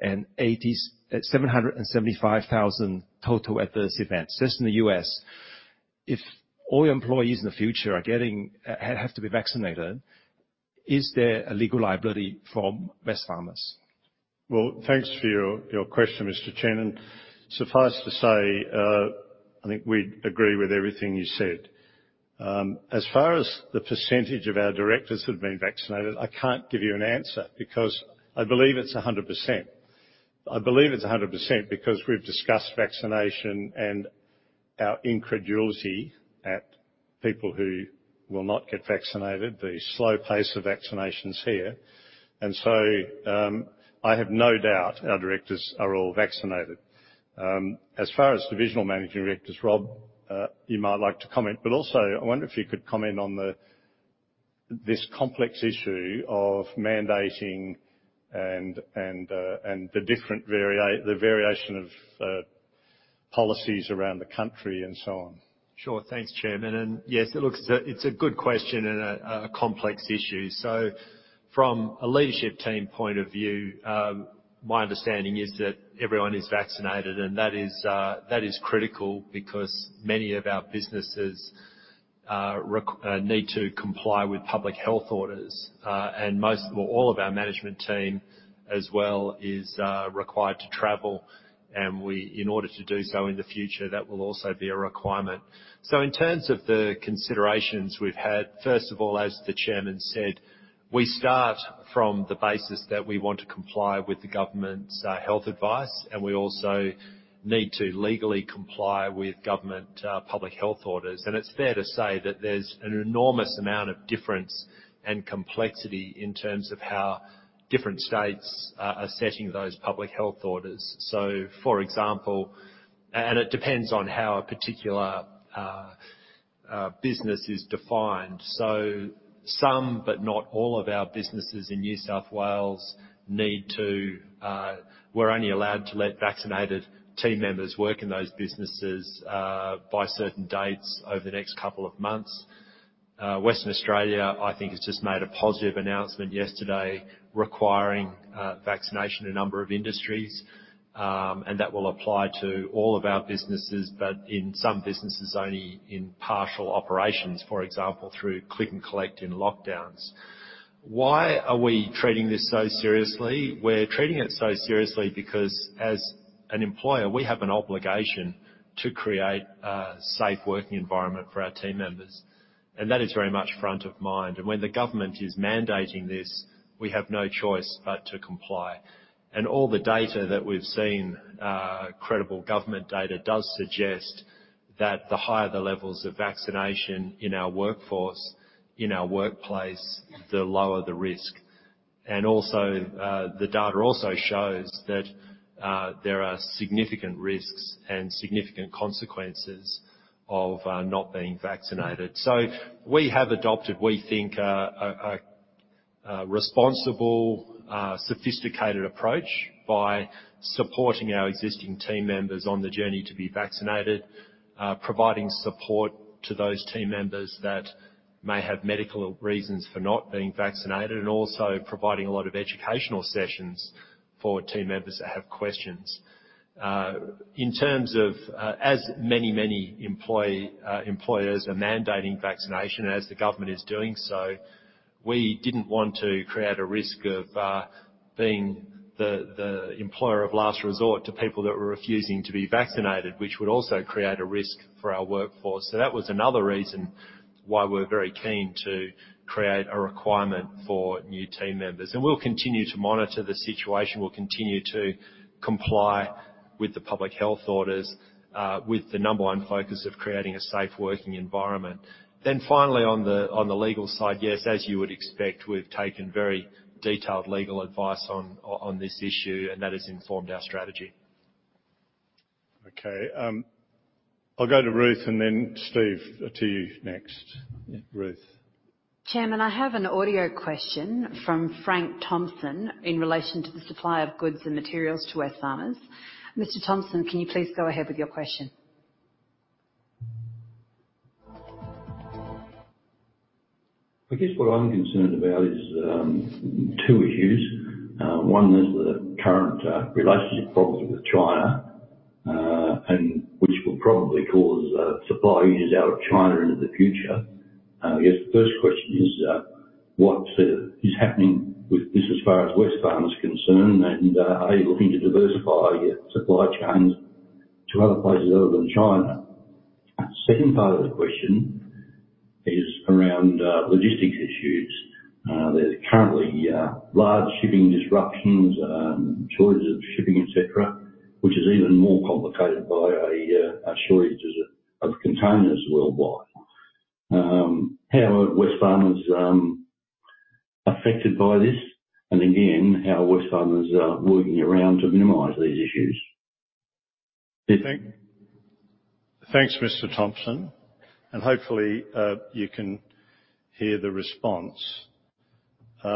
and 775,000 total adverse events. Just in the U.S. If all your employees in the future have to be vaccinated, is there a legal liability for Wesfarmers? Well, thanks for your question, Mr. Cheng. Suffice to say, I think we agree with everything you said. As far as the percentage of our Directors who have been vaccinated, I can't give you an answer because I believe it's 100%. I believe it's 100% because we've discussed vaccination and our incredulity at people who will not get vaccinated, the slow pace of vaccinations here. I have no doubt our directors are all vaccinated. As far as divisional managing directors, Rob, you might like to comment. Also, I wonder if you could comment on this complex issue of mandating and the variation of policies around the country and so on. Sure. Thanks, Chairman. Yes, it's a good question and a complex issue. From a leadership team point of view, my understanding is that everyone is vaccinated, and that is critical because many of our businesses need to comply with public health orders. All of our management team as well is required to travel, and in order to do so in the future, that will also be a requirement. In terms of the considerations we've had, first of all, as the chairman said, we start from the basis that we want to comply with the government's health advice, and we also need to legally comply with government public health orders. It's fair to say that there's an enormous amount of difference and complexity in terms of how different states are setting those public health orders. It depends on how a particular business is defined. Some, but not all of our businesses in New South Wales, we're only allowed to let vaccinated team members work in those businesses by certain dates over the next couple of months. Western Australia, I think has just made a positive announcement yesterday requiring vaccination in a number of industries, and that will apply to all of our businesses, but in some businesses, only in partial operations, for example, through click and collect in lockdowns. Why are we treating this so seriously? We're treating it so seriously because as an employer, we have an obligation to create a safe working environment for our team members. That is very much front of mind. When the government is mandating this, we have no choice but to comply. All the data that we've seen, credible Government data, does suggest that the higher the levels of vaccination in our workforce, in our workplace, the lower the risk. Also, the data also shows that there are significant risks and significant consequences of not being vaccinated. We have adopted, we think, a responsible, sophisticated approach by supporting our existing team members on the journey to be vaccinated, providing support to those team members that may have medical reasons for not being vaccinated, and also providing a lot of educational sessions for team members that have questions. As many, many employers are mandating vaccination as the government is doing so, we didn't want to create a risk of being the employer of last resort to people that were refusing to be vaccinated, which would also create a risk for our workforce. That was another reason why we're very keen to create a requirement for new team members. We'll continue to monitor the situation. We'll continue to comply with the public health orders, with the number one focus of creating a safe working environment. Finally, on the legal side, yes, as you would expect, we've taken very detailed legal advice on this issue, and that has informed our strategy. Okay. I'll go to Ruth and then Steve to you next. Ruth? Chairman, I have an audio question from Frank Thompson in relation to the supply of goods and materials to Wesfarmers. Mr. Thompson, can you please go ahead with your question? I guess what I'm concerned about is two issues. One is the current relationship problems with China, and which will probably cause supply issues out of China into the future. I guess the first question is what is happening with this as far as Wesfarmers is concerned, and are you looking to diversify your supply chains to other places other than China? Second part of the question is around logistics issues. There's currently large shipping disruptions, shortages of shipping, et cetera, which is even more complicated by shortages of containers worldwide. How are Wesfarmers affected by this? Again, how are Wesfarmers working around to minimize these issues? Thanks, Mr. Thompson. Hopefully, you can hear the response. I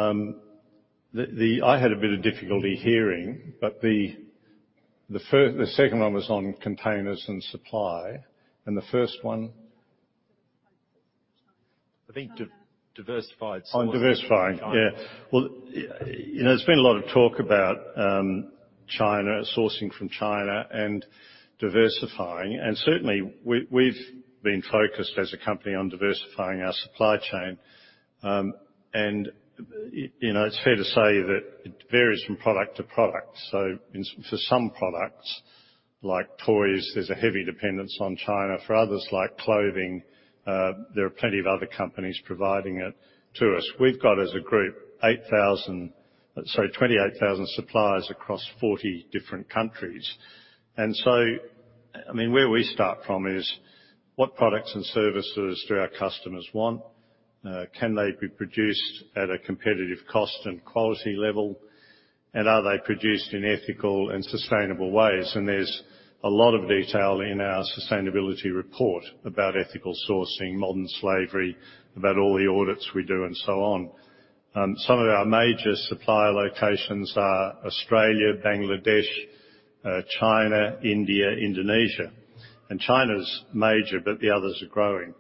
had a bit of difficulty hearing, but the second one was on containers and supply. The first one? I think diversified sourcing. On diversifying. Yeah. Well, there's been a lot of talk about China, sourcing from China, and diversifying. Certainly, we've been focused as a company on diversifying our supply chain. It's fair to say that it varies from product to product. For some products, like toys, there's a heavy dependence on China. For others, like clothing, there are plenty of other companies providing it to us. We've got, as a group, 28,000 suppliers across 40 different countries. Where we start from is what products and services do our customers want? Can they be produced at a competitive cost and quality level? Are they produced in ethical and sustainable ways? There's a lot of detail in our sustainability report about ethical sourcing, modern slavery, about all the audits we do, and so on. Some of our major supplier locations are Australia, Bangladesh, China, India, Indonesia. China's major, but the others are growing.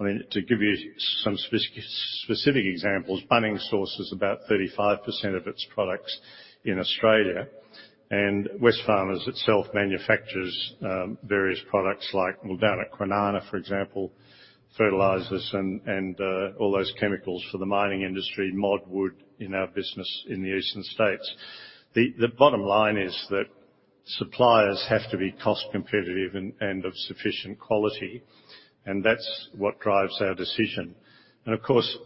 To give you some specific examples, Bunnings sources about 35% of its products in Australia, and Wesfarmers itself manufactures various products like Ammonium nitrate, for example, fertilizers and all those chemicals for the mining industry, ModWood, in our business in the eastern states. The bottom line is that suppliers have to be cost competitive and of sufficient quality, and that's what drives our decision. Of course,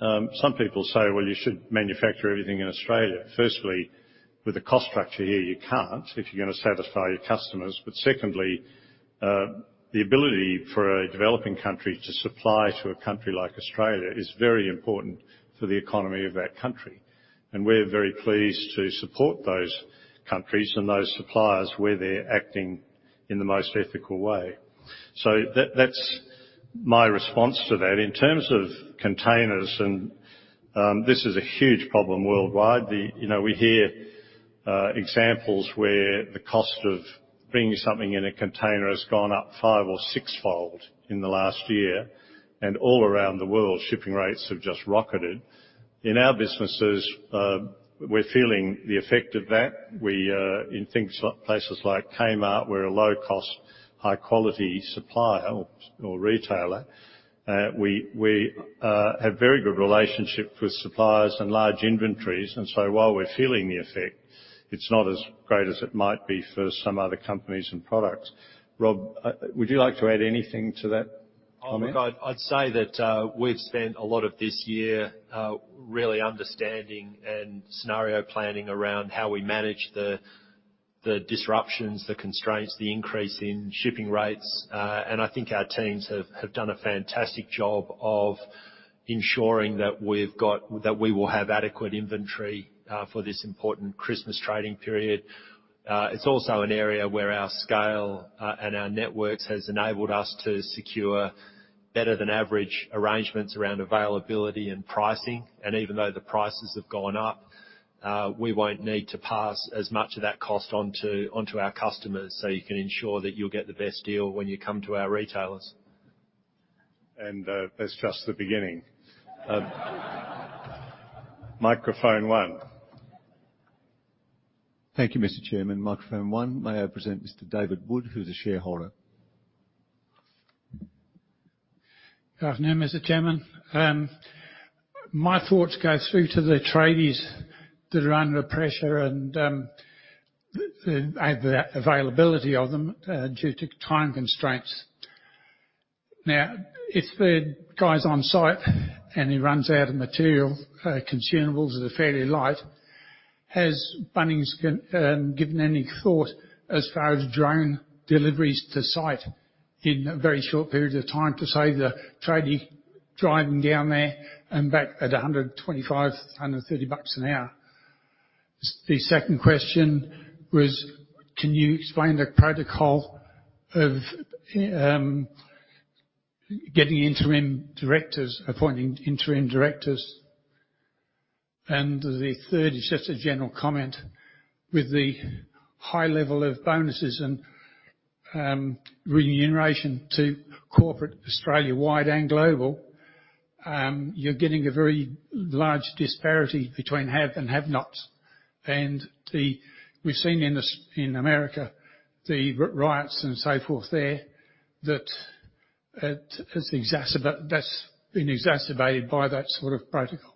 some people say, well, you should manufacture everything in Australia. Firstly, with the cost structure here, you can't if you're going to satisfy your customers. Secondly, the ability for a developing country to supply to a country like Australia is very important for the economy of that country. We're very pleased to support those countries and those suppliers where they're acting in the most ethical way. That's my response to that. In terms of containers, and this is a huge problem worldwide. We hear examples where the cost of bringing something in a container has gone up 5-fold or 6-fold in the last year, and all around the world, shipping rates have just rocketed. In our businesses, we're feeling the effect of that. In places like Kmart, we're a low-cost, high-quality supplier or retailer. We have very good relationships with suppliers and large inventories, and so while we're feeling the effect, it's not as great as it might be for some other companies and products. Rob, would you like to add anything to that comment? I'd say that we've spent a lot of this year really understanding and scenario planning around how we manage the disruptions, the constraints, the increase in shipping rates. I think our teams have done a fantastic job of ensuring that we will have adequate inventory for this important Christmas trading period. It's also an area where our scale and our networks has enabled us to secure better than average arrangements around availability and pricing. Even though the prices have gone up, we won't need to pass as much of that cost on to our customers, so you can ensure that you'll get the best deal when you come to our retailers. That's just the beginning. Microphone 1. Thank you, Mr. Chairman. Microphone 1, may I present Mr. David Wood, who's a shareholder. Good afternoon, Mr. Chairman. My thoughts go through to the tradies that are under pressure and the availability of them due to time constraints. If the guy's on site and he runs out of material, consumables are fairly light, has Bunnings given any thought as far as drone deliveries to site in a very short period of time to save the tradie driving down there and back at $125, $130 an hour? The second question was, can you explain the protocol of getting interim directors, appointing interim directors? The third is just a general comment. With the high level of bonuses and remuneration to corporate Australia-wide and global, you're getting a very large disparity between have and have-nots. We've seen in America, the riots and so forth there, that's been exacerbated by that sort of protocol.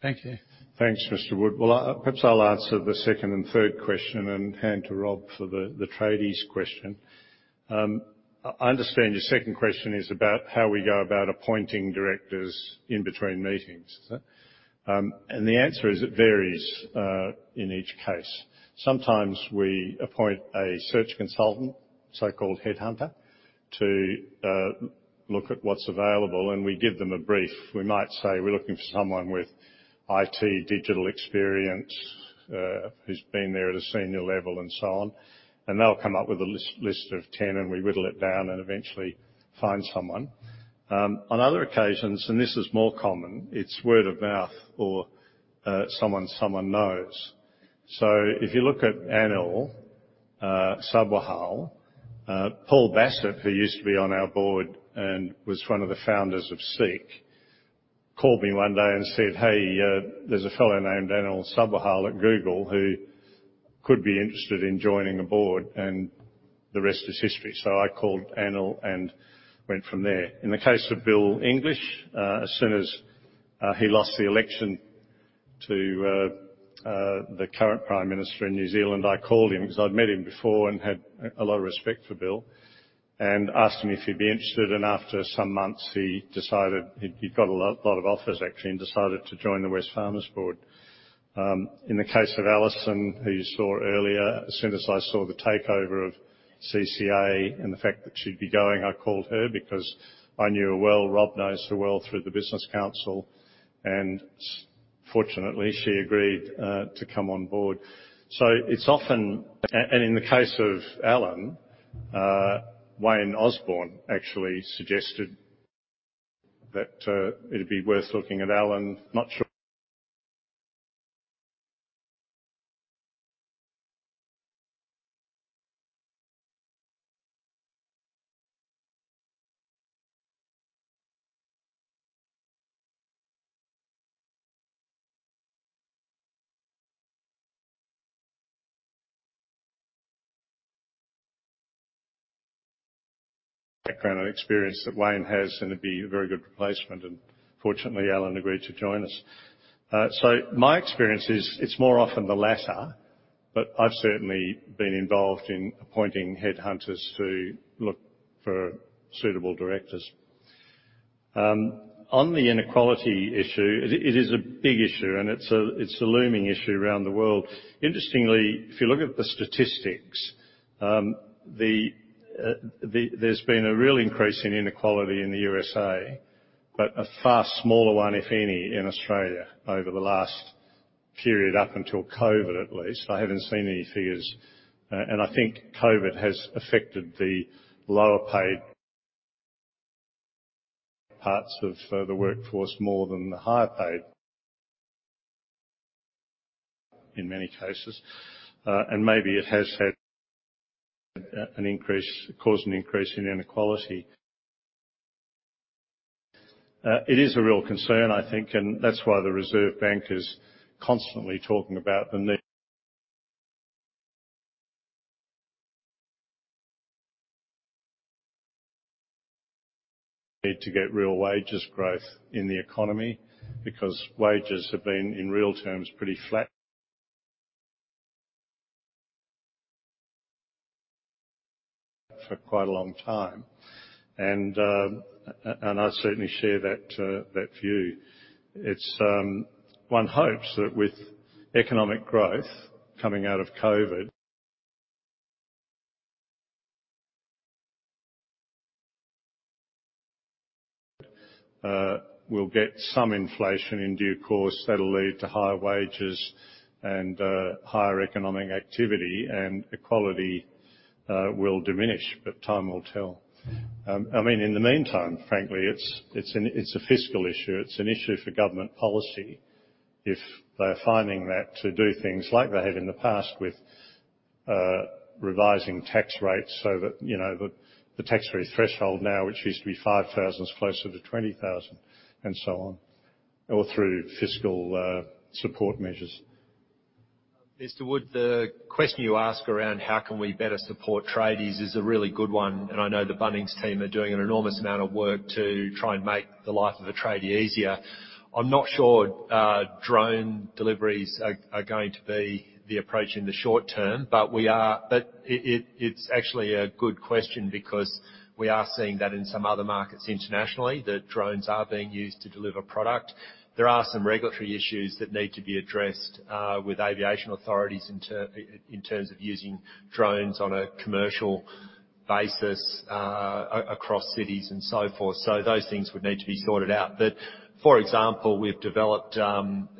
Thank you. Thanks, Mr. Wood. Perhaps I'll answer the second and third question and hand to Rob for the tradies question. I understand your second question is about how we go about appointing directors in between meetings. Is that? The answer is it varies in each case. Sometimes we appoint a Search Consultant, so-called Headhunter, to look at what's available, and we give them a brief. We might say we're looking for someone with IT, digital experience, who's been there at a senior level and so on, and they'll come up with a list of 10, and we whittle it down and eventually find someone. On other occasions, this is more common, it's word of mouth or someone someone knows. If you look at Anil Sabharwal, Paul Bassat, who used to be on our board and was one of the founders of SEEK, called me one day and said, hey, there's a fellow named Anil Sabharwal at Google who could be interested in joining a board, and the rest is history. I called Anil and went from there. In the case of Bill English, as soon as he lost the election to the current Prime Minister in New Zealand, I called him because I'd met him before and had a lot of respect for Bill and asked him if he'd be interested. After some months, he'd got a lot of offers, actually, and decided to join the Wesfarmers board. In the case of Alison, who you saw earlier, as soon as I saw the takeover of CCA and the fact that she'd be going, I called her because I knew her well. Rob knows her well through the Business Council, and fortunately, she agreed to come on board. In the case of Alan, Wayne Osborn actually suggested that it'd be worth looking at Alan, Background <inaudible> and experience that Wayne has, and it'd be a very good replacement. Fortunately, Alan agreed to join us. My experience is, it's more often the latter, but I've certainly been involved in appointing Headhunters who look for suitable Directors. On the inequality issue, it is a big issue and it's a looming issue around the world. Interestingly, if you look at the statistics, there's been a real increase in inequality in the U.S.A., but a far smaller one, if any, in Australia over the last period, up until COVID-19, at least. I haven't seen any figures. I think COVID-19 has affected the lower paid parts of the workforce more than the higher paid, in many cases. Maybe it has caused an increase in inequality. It is a real concern, I think, and that's why the Reserve Bank of Australia is constantly talking about the need to get real wages growth in the economy, because wages have been, in real terms, pretty flat for quite a long time. I certainly share that view. One hopes that with economic growth coming out of COVID, we'll get some inflation in due course that'll lead to higher wages and higher economic activity, and equality will diminish, but time will tell. In the meantime, frankly, it's a fiscal issue. It's an issue for government policy if they're finding that to do things like they have in the past with revising tax rates so that the tax-free threshold now, which used to be 5,000, is closer to 20,000, and so on, or through fiscal support measures. Mr. Wood, the question you ask around how can we better support tradies is a really good one, and I know the Bunnings team are doing an enormous amount of work to try and make the life of a tradies' easier. I'm not sure drone deliveries are going to be the approach in the short term. It's actually a good question, because we are seeing that in some other markets internationally, that drones are being used to deliver product. There are some regulatory issues that need to be addressed, with aviation authorities in terms of using drones on a commercial basis across cities and so forth. Those things would need to be sorted out. For example, we're developing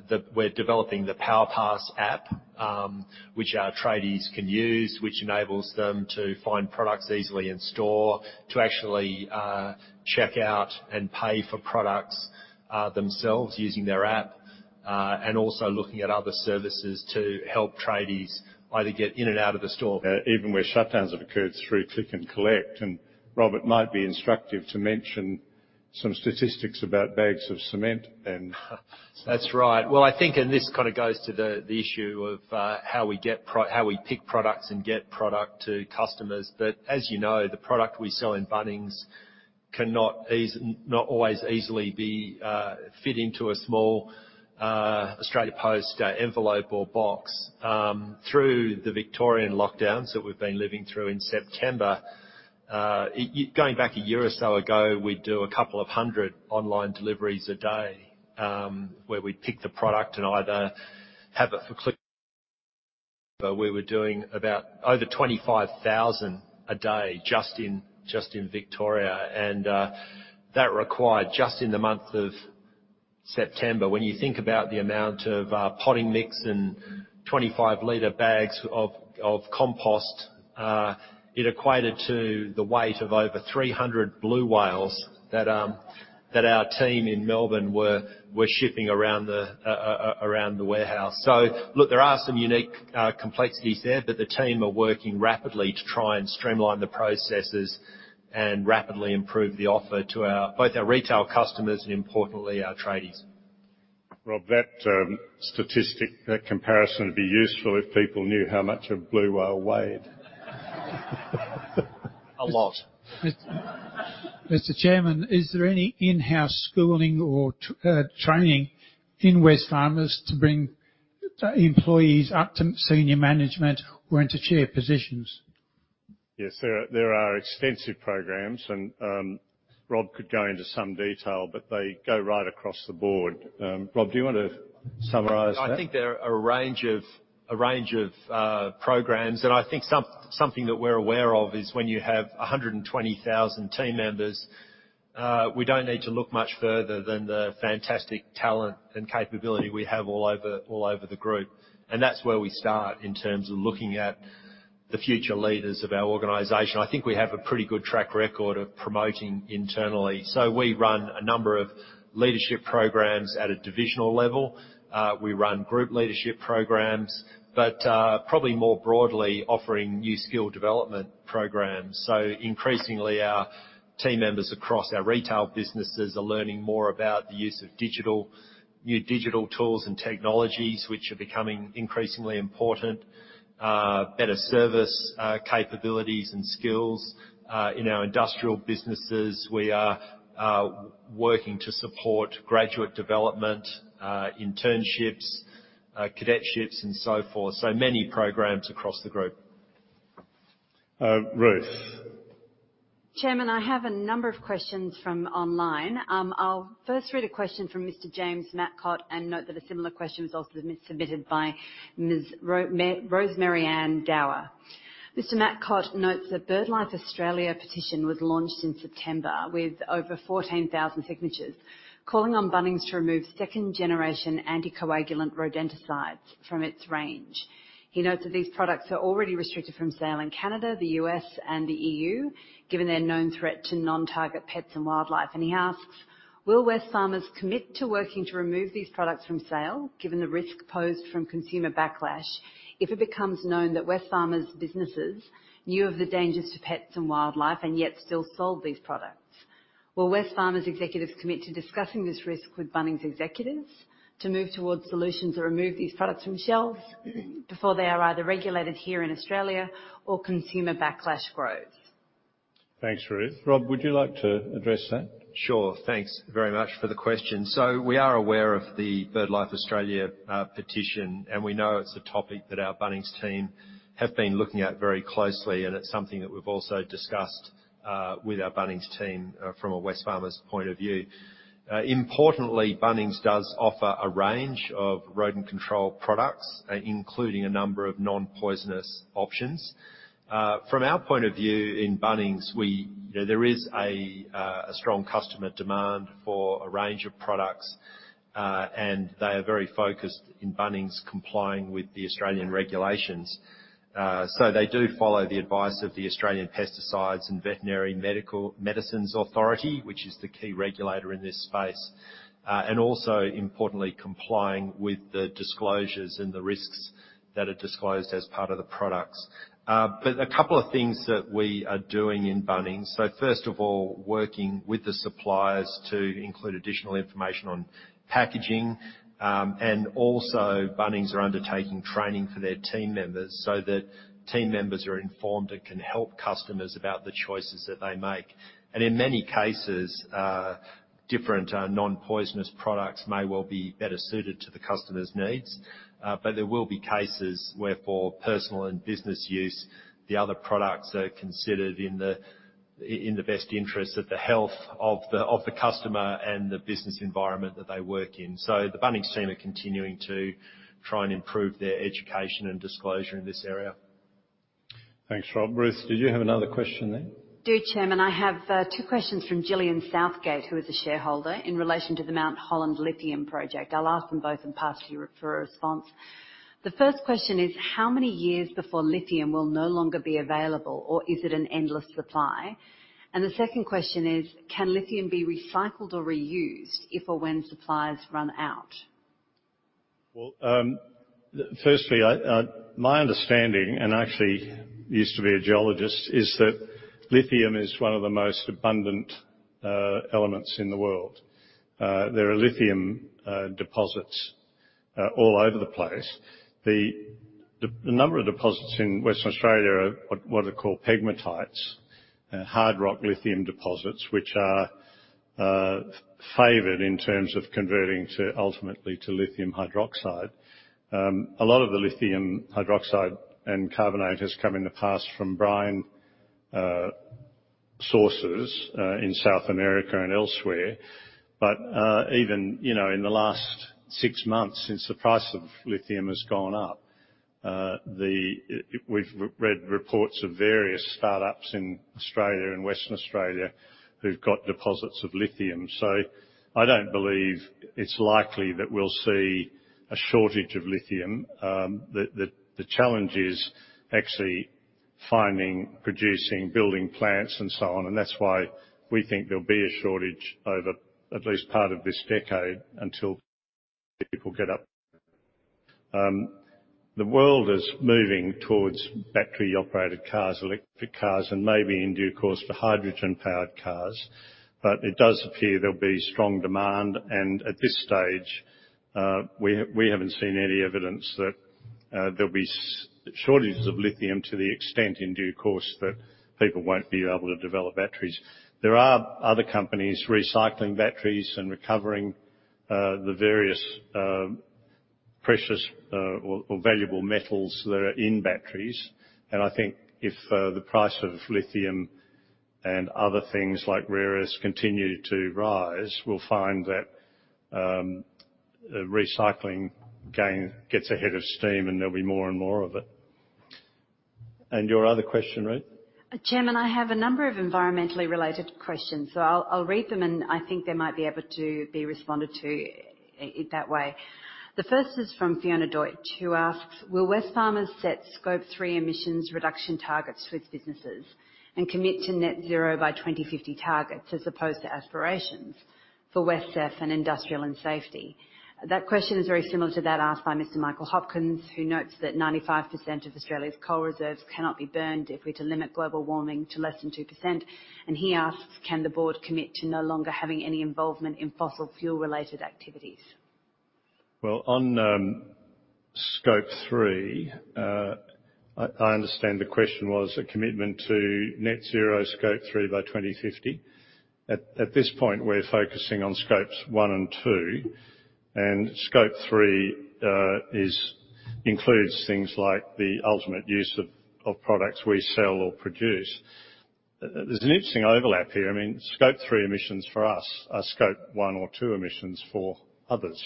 the PowerPass app, which our tradies can use, which enables them to find products easily in store, to actually check out and pay for products themselves using their app, and also looking at other services to help tradies either get in and out of the store. Even where shutdowns have occurred through click and collect. Rob, it might be instructive to mention some statistics about bags of cement. That's right. I think this kind of goes to the issue of how we pick products and get product to customers. As you know, the product we sell in Bunnings cannot always easily be fit into a small Australia Post-envelope or box. Through the Victorian lockdowns that we've been living through in September, going back a year or so ago, we'd do 200 online deliveries a day. We were doing about over 25,000 a day just in Victoria. That required just in the month of September, when you think about the amount of potting mix and 25-liter bags of compost, it equated to the weight of over 300 blue whales that our team in Melbourne were shipping around the warehouse. Look, there are some unique complexities there, but the team are working rapidly to try and streamline the processes and rapidly improve the offer to both our retail customers and importantly, our tradies. Rob, that statistic, that comparison would be useful if people knew how much a blue whale weighed. A lot. Mr. Chairman, is there any in-house schooling or training in Wesfarmers to bring employees up to Senior Management or into chair positions? Yes, there are extensive programs, and Rob could go into some detail, but they go right across the board. Rob, do you want to summarize that? I think there are a range of programs, and I think something that we're aware of is when you have 120,000 team members, we don't need to look much further than the fantastic talent and capability we have all over the group. That's where we start in terms of looking at the future leaders of our organization. I think we have a pretty good track record of promoting internally. We run a number of leadership programs at a divisional level. We run group leadership programs, but probably more broadly offering new skill development programs. Increasingly, our team members across our retail businesses are learning more about the use of new digital tools and technologies, which are becoming increasingly important, better service capabilities and skills. In our industrial businesses, we are working to support graduate development, internships, cadetships, and so forth. Many programs across the group. Ruth? Chairman, I have a number of questions from online. I'll first read a question from Mr. James Matcott, and note that a similar question was also submitted by Ms. Rosemary Ann Dower. Mr. Matcott notes that BirdLife Australia petition was launched in September with over 14,000 signatures, calling on Bunnings to remove second-generation anticoagulant rodenticides from its range. He notes that these products are already restricted from sale in Canada, the U.S., and the EU, given their known threat to non-target pets and wildlife. He asks, will Wesfarmers commit to working to remove these products from sale, given the risk posed from consumer backlash if it becomes known that Wesfarmers businesses knew of the dangers to pets and wildlife and yet still sold these products? Will Wesfarmers executives commit to discussing this risk with Bunnings executives to move towards solutions or remove these products from shelves before they are either regulated here in Australia or consumer backlash grows? Thanks, Ruth. Rob, would you like to address that? Sure. Thanks very much for the question. We are aware of the BirdLife Australia petition, and we know it's a topic that our Bunnings team have been looking at very closely, and it's something that we've also discussed with our Bunnings team from a Wesfarmers point of view. Importantly, Bunnings does offer a range of rodent-control products, including a number of non-poisonous options. From our point of view in Bunnings, there is a strong customer demand for a range of products, and they are very focused in Bunnings complying with the Australian regulations. They do follow the advice of the Australian Pesticides and Veterinary Medicines Authority, which is the key regulator in this space. Also, importantly, complying with the disclosures and the risks that are disclosed as part of the products. A couple of things that we are doing in Bunnings. First of all, working with the suppliers to include additional information on packaging. Also Bunnings are undertaking training for their team members so that team members are informed and can help customers about the choices that they make. In many cases, different non-poisonous products may well be better suited to the customer's needs. There will be cases where for personal and business use, the other products are considered in the best interest of the health of the customer and the business environment that they work in. The Bunnings team are continuing to try and improve their education and disclosure in this area. Thanks, Rob. Ruth, did you have another question then? I do, Chairman. I have two questions from Jillian Southgate, who is a Shareholder, in relation to the Mt Holland Lithium Project. I'll ask them both and pass to you for a response. The first question is, how many years before lithium will no longer be available, or is it an endless supply? The second question is, can lithium be recycled or reused if or when supplies run out? Well, firstly, my understanding, and I actually used to be a Geologist, is that lithium is one of the most abundant elements in the world. There are lithium deposits all over the place. The number of deposits in Western Australia are what are called Pegmatites, hard rock lithium deposits, which are favored in terms of converting ultimately to lithium hydroxide. A lot of the lithium hydroxide and carbonate has come in the past from brine sources in South America and elsewhere. Even in the last 6 months since the price of lithium has gone up, we've read reports of various startups in Australia and Western Australia who've got deposits of lithium. I don't believe it's likely that we'll see a shortage of lithium. The challenge is actually finding, producing, building plants and so on. That's why we think there'll be a shortage over at least part of this decade until people get up. The world is moving towards battery-operated cars, electric cars, and maybe in due course, the hydrogen-powered cars. It does appear there'll be strong demand. At this stage, we haven't seen any evidence that there'll be shortages of lithium to the extent in due course that people won't be able to develop batteries. There are other companies recycling batteries and recovering the various precious or valuable metals that are in batteries. I think if the price of lithium and other things like rare earths continue to rise, we'll find that recycling gain gets ahead of steam and there'll be more and more of it. Your other question, Ruth? Chairman, I have a number of environmentally related questions. I'll read them, and I think they might be able to be responded to that way. The first is from Fiona Deutsch, who asks, will Wesfarmers set Scope 3 emissions reduction targets for its businesses and commit to net zero by 2050 targets as opposed to aspirations for WesCEF and Industrial and Safety? That question is very similar to that asked by Mr. Michael Hopkins, who notes that 95% of Australia's coal reserves cannot be burned if we're to limit global warming to less than 2%. He asks, can the board commit to no longer having any involvement in fossil fuel-related activities? Well, on Scope 3, I understand the question was a commitment to net zero Scope 3 by 2050. At this point, we're focusing on Scope 1 and Scope 2, Scope 3 includes things like the ultimate use of products we sell or produce. There's an interesting overlap here. Scope 3 emissions for us are Scope 1 or Scope 2 emissions for others.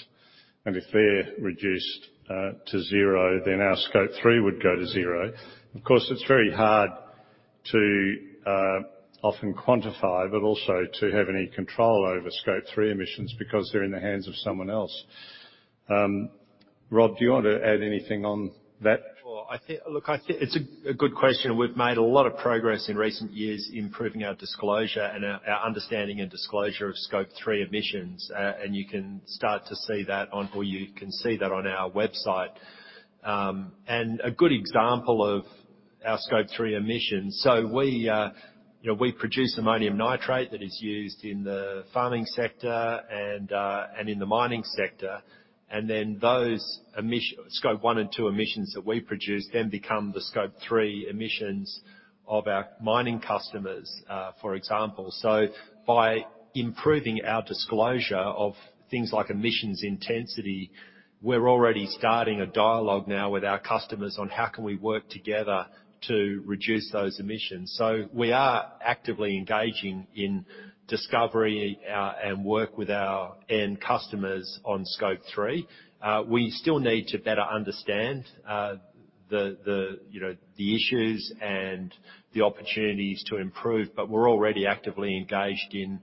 If they're reduced to zero, then our Scope 3 would go to zero. Of course, it's very hard to often quantify, but also to have any control over Scope 3 emissions because they're in the hands of someone else. Rob, do you want to add anything on that? Well, look, I think it's a good question, we've made a lot of progress in recent years improving our disclosure and our understanding and disclosure of Scope 3 emissions. You can start to see that on or you can see that on our website. A good example of our Scope 3 emissions. We produce Ammonium nitrate that is used in the farming sector and in the mining sector. Then those Scope 1 and Scope 2 emissions that we produce then become the Scope 3 emissions of our mining customers, for example. By improving our disclosure of things like emissions intensity, we're already starting a dialogue now with our customers on how can we work together to reduce those emissions. We are actively engaging in discovery and work with our end customers on Scope 3. We still need to better understand the issues and the opportunities to improve, but we're already actively engaged in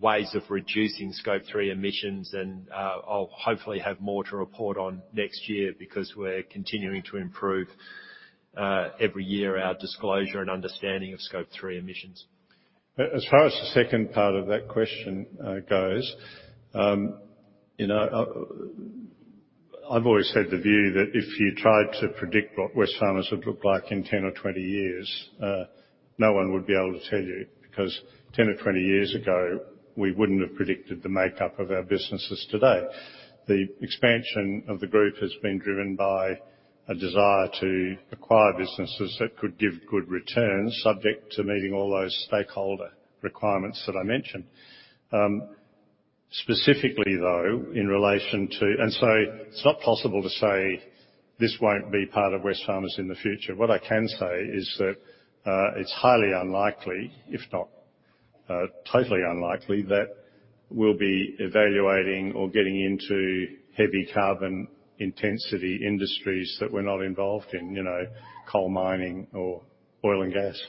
ways of reducing Scope 3 emissions and I'll hopefully have more to report on next year because we're continuing to improve every year our disclosure and understanding of Scope 3 emissions. As far as the second part of that question goes, I've always had the view that if you tried to predict what Wesfarmers would look like in 10 years or 20 years, no one would be able to tell you, because 10 years or 20 years ago, we wouldn't have predicted the makeup of our businesses today. The expansion of the group has been driven by a desire to acquire businesses that could give good returns, subject to meeting all those stakeholder requirements that I mentioned. Specifically, though, it's not possible to say this won't be part of Wesfarmers in the future. What I can say is that it's highly unlikely, if not totally unlikely, that we'll be evaluating or getting into heavy carbon intensity industries that we're not involved in, coal mining or oil and gas.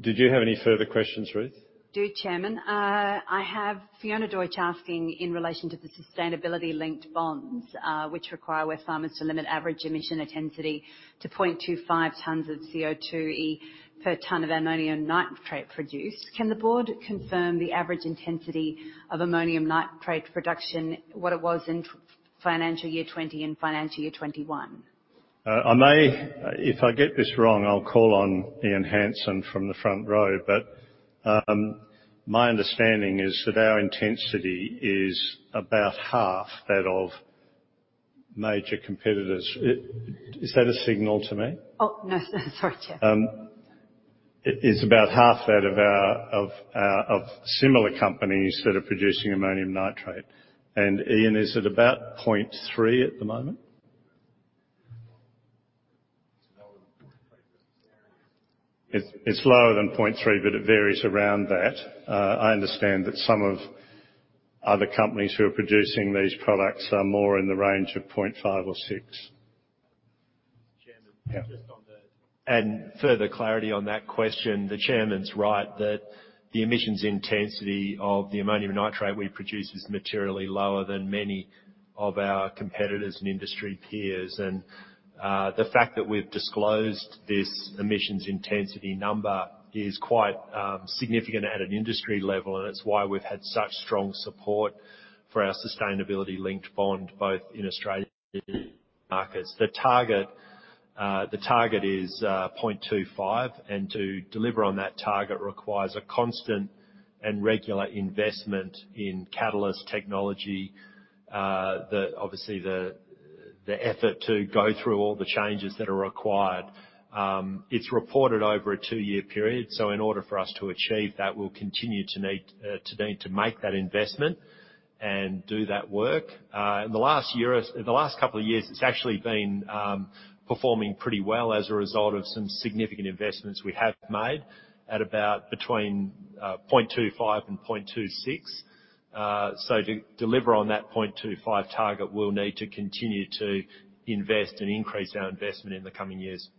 Did you have any further questions, Ruth? I do, Chairman. I have Fiona Deutsch asking in relation to the sustainability-linked bonds, which require Wesfarmers to limit average emission intensity to 0.25 tons of CO2 per ton of ammonium nitrate produced. Can the board confirm the average intensity of ammonium nitrate production, what it was in financial year 2020 and financial year 2021? If I get this wrong, I'll call on Ian Hansen from the front row. My understanding is that our intensity is about half that of major competitors. Is that a signal to me? Oh, no. Sorry, Chair. It's about half that of similar companies that are producing ammonium nitrate. Ian, is it about 0.3 ton at the moment? It's lower than 0.3 ton It's lower than 0.3 ton, but it varies around that. I understand that some of other companies who are producing these products are more in the range of 0.5 ton or 6 ton. Chairman. Yeah. Further clarity on that question, the Chairman's right that the emissions intensity of the ammonium nitrate we produce is materially lower than many of our competitors and industry peers. The fact that we've disclosed this emissions intensity number is quite significant at an industry level, and it's why we've had such strong support for our sustainability-linked bond, both in Australia markets. The target is 0.25 ton, and to deliver on that target requires a constant and regular investment in catalyst technology, obviously the effort to go through all the changes that are required. It's reported over a two-year period. In order for us to achieve that, we'll continue to need to make that investment and do that work. In the last couple of years, it's actually been performing pretty well as a result of some significant investments we have made at about between 0.25 ton and 0.26 ton. To deliver on that 0.25 ton target, we'll need to continue to invest and increase our investment in the coming years.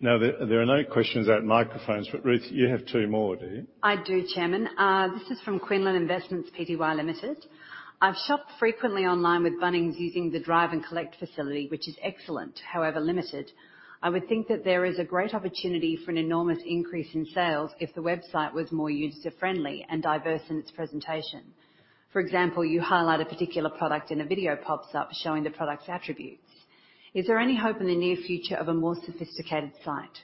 Now, there are no questions at microphones, but Ruth, you have two more, do you? I do, Chairman. This is from Quinlan Investments Pty Limited. I've shopped frequently online with Bunnings using the drive and collect facility, which is excellent, however limited. I would think that there is a great opportunity for an enormous increase in sales if the website was more user-friendly and diverse in its presentation. For example, you highlight a particular product and a video pops up showing the product's attributes. Is there any hope in the near future of a more sophisticated site?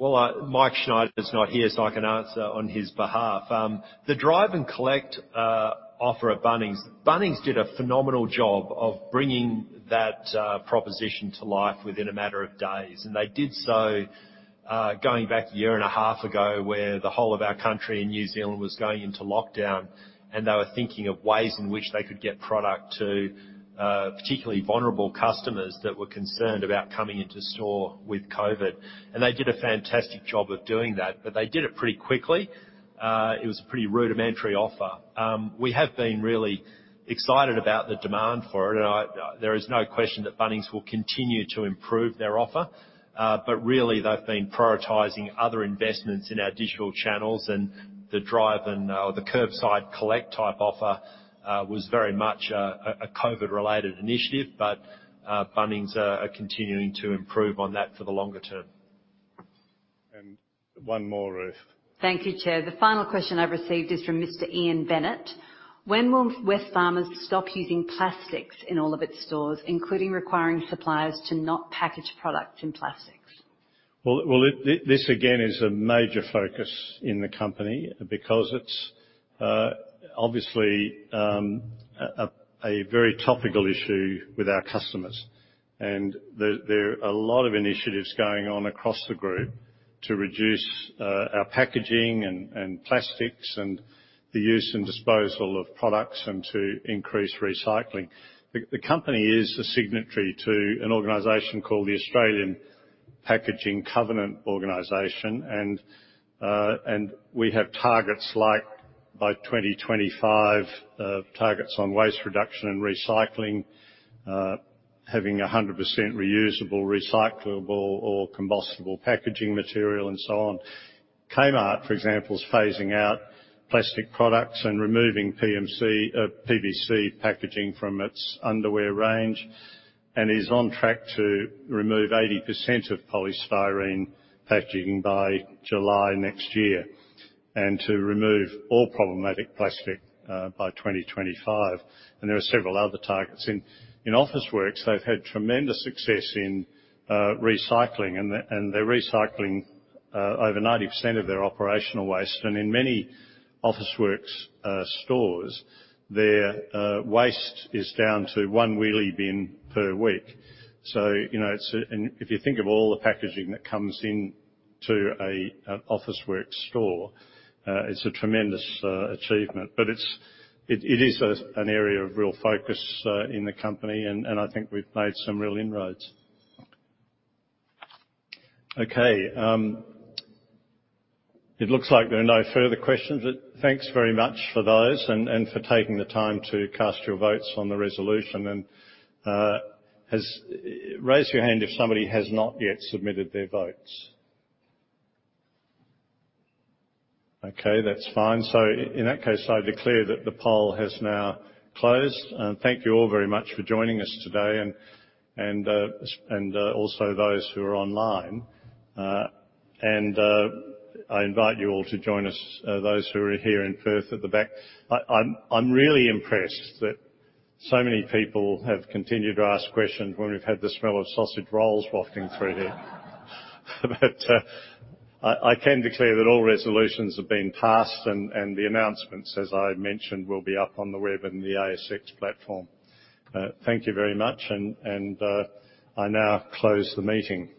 Well, Michael Schneider's not here, so I can answer on his behalf. The drive and collect offer at Bunnings did a phenomenal job of bringing that proposition to life within a matter of days. They did so going back a year and a half ago, where the whole of our country and New Zealand was going into lockdown, and they were thinking of ways in which they could get product to particularly vulnerable customers that were concerned about coming into store with COVID. They did a fantastic job of doing that, but they did it pretty quickly. It was a pretty rudimentary offer. We have been really excited about the demand for it. There is no question that Bunnings will continue to improve their offer. Really, they've been prioritizing other investments in our digital channels, and the drive and the curbside collect type offer was very much a COVID-related initiative. Bunnings are continuing to improve on that for the longer term. One more, Ruth. Thank you, Chair. The final question I've received is from Mr. Ian Bennett. When will Wesfarmers stop using plastics in all of its stores, including requiring suppliers to not package products in plastics? Well, this again is a major focus in the company because it's obviously a very topical issue with our customers. There are a lot of initiatives going on across the group to reduce our packaging and plastics and the use and disposal of products, and to increase recycling. The company is a signatory to an organization called the Australian Packaging Covenant Organization. We have targets like by 2025, targets on waste reduction and recycling, having 100% reusable, recyclable, or combustible packaging material, and so on. Kmart, for example, is phasing out plastic products and removing PVC packaging from its underwear range and is on track to remove 80% of polystyrene packaging by July next year, and to remove all problematic plastic by 2025. There are several other targets. In Officeworks, they've had tremendous success in recycling, and they're recycling over 90% of their operational waste. In many Officeworks stores, their waste is down to one wheelie bin per week. If you think of all the packaging that comes into an Officeworks store, it's a tremendous achievement. It is an area of real focus in the company, and I think we've made some real inroads. Okay. It looks like there are no further questions. Thanks very much for those and for taking the time to cast your votes on the resolution. Raise your hand if somebody has not yet submitted their votes. Okay, that's fine. In that case, I declare that the poll has now closed. Thank you all very much for joining us today, and also those who are online. I invite you all to join us, those who are here in Perth at the back. I'm really impressed that so many people have continued to ask questions when we've had the smell of sausage rolls wafting through here. I can declare that all resolutions have been passed, and the announcements, as I mentioned, will be up on the web and the ASX platform. Thank you very much, and I now close the meeting.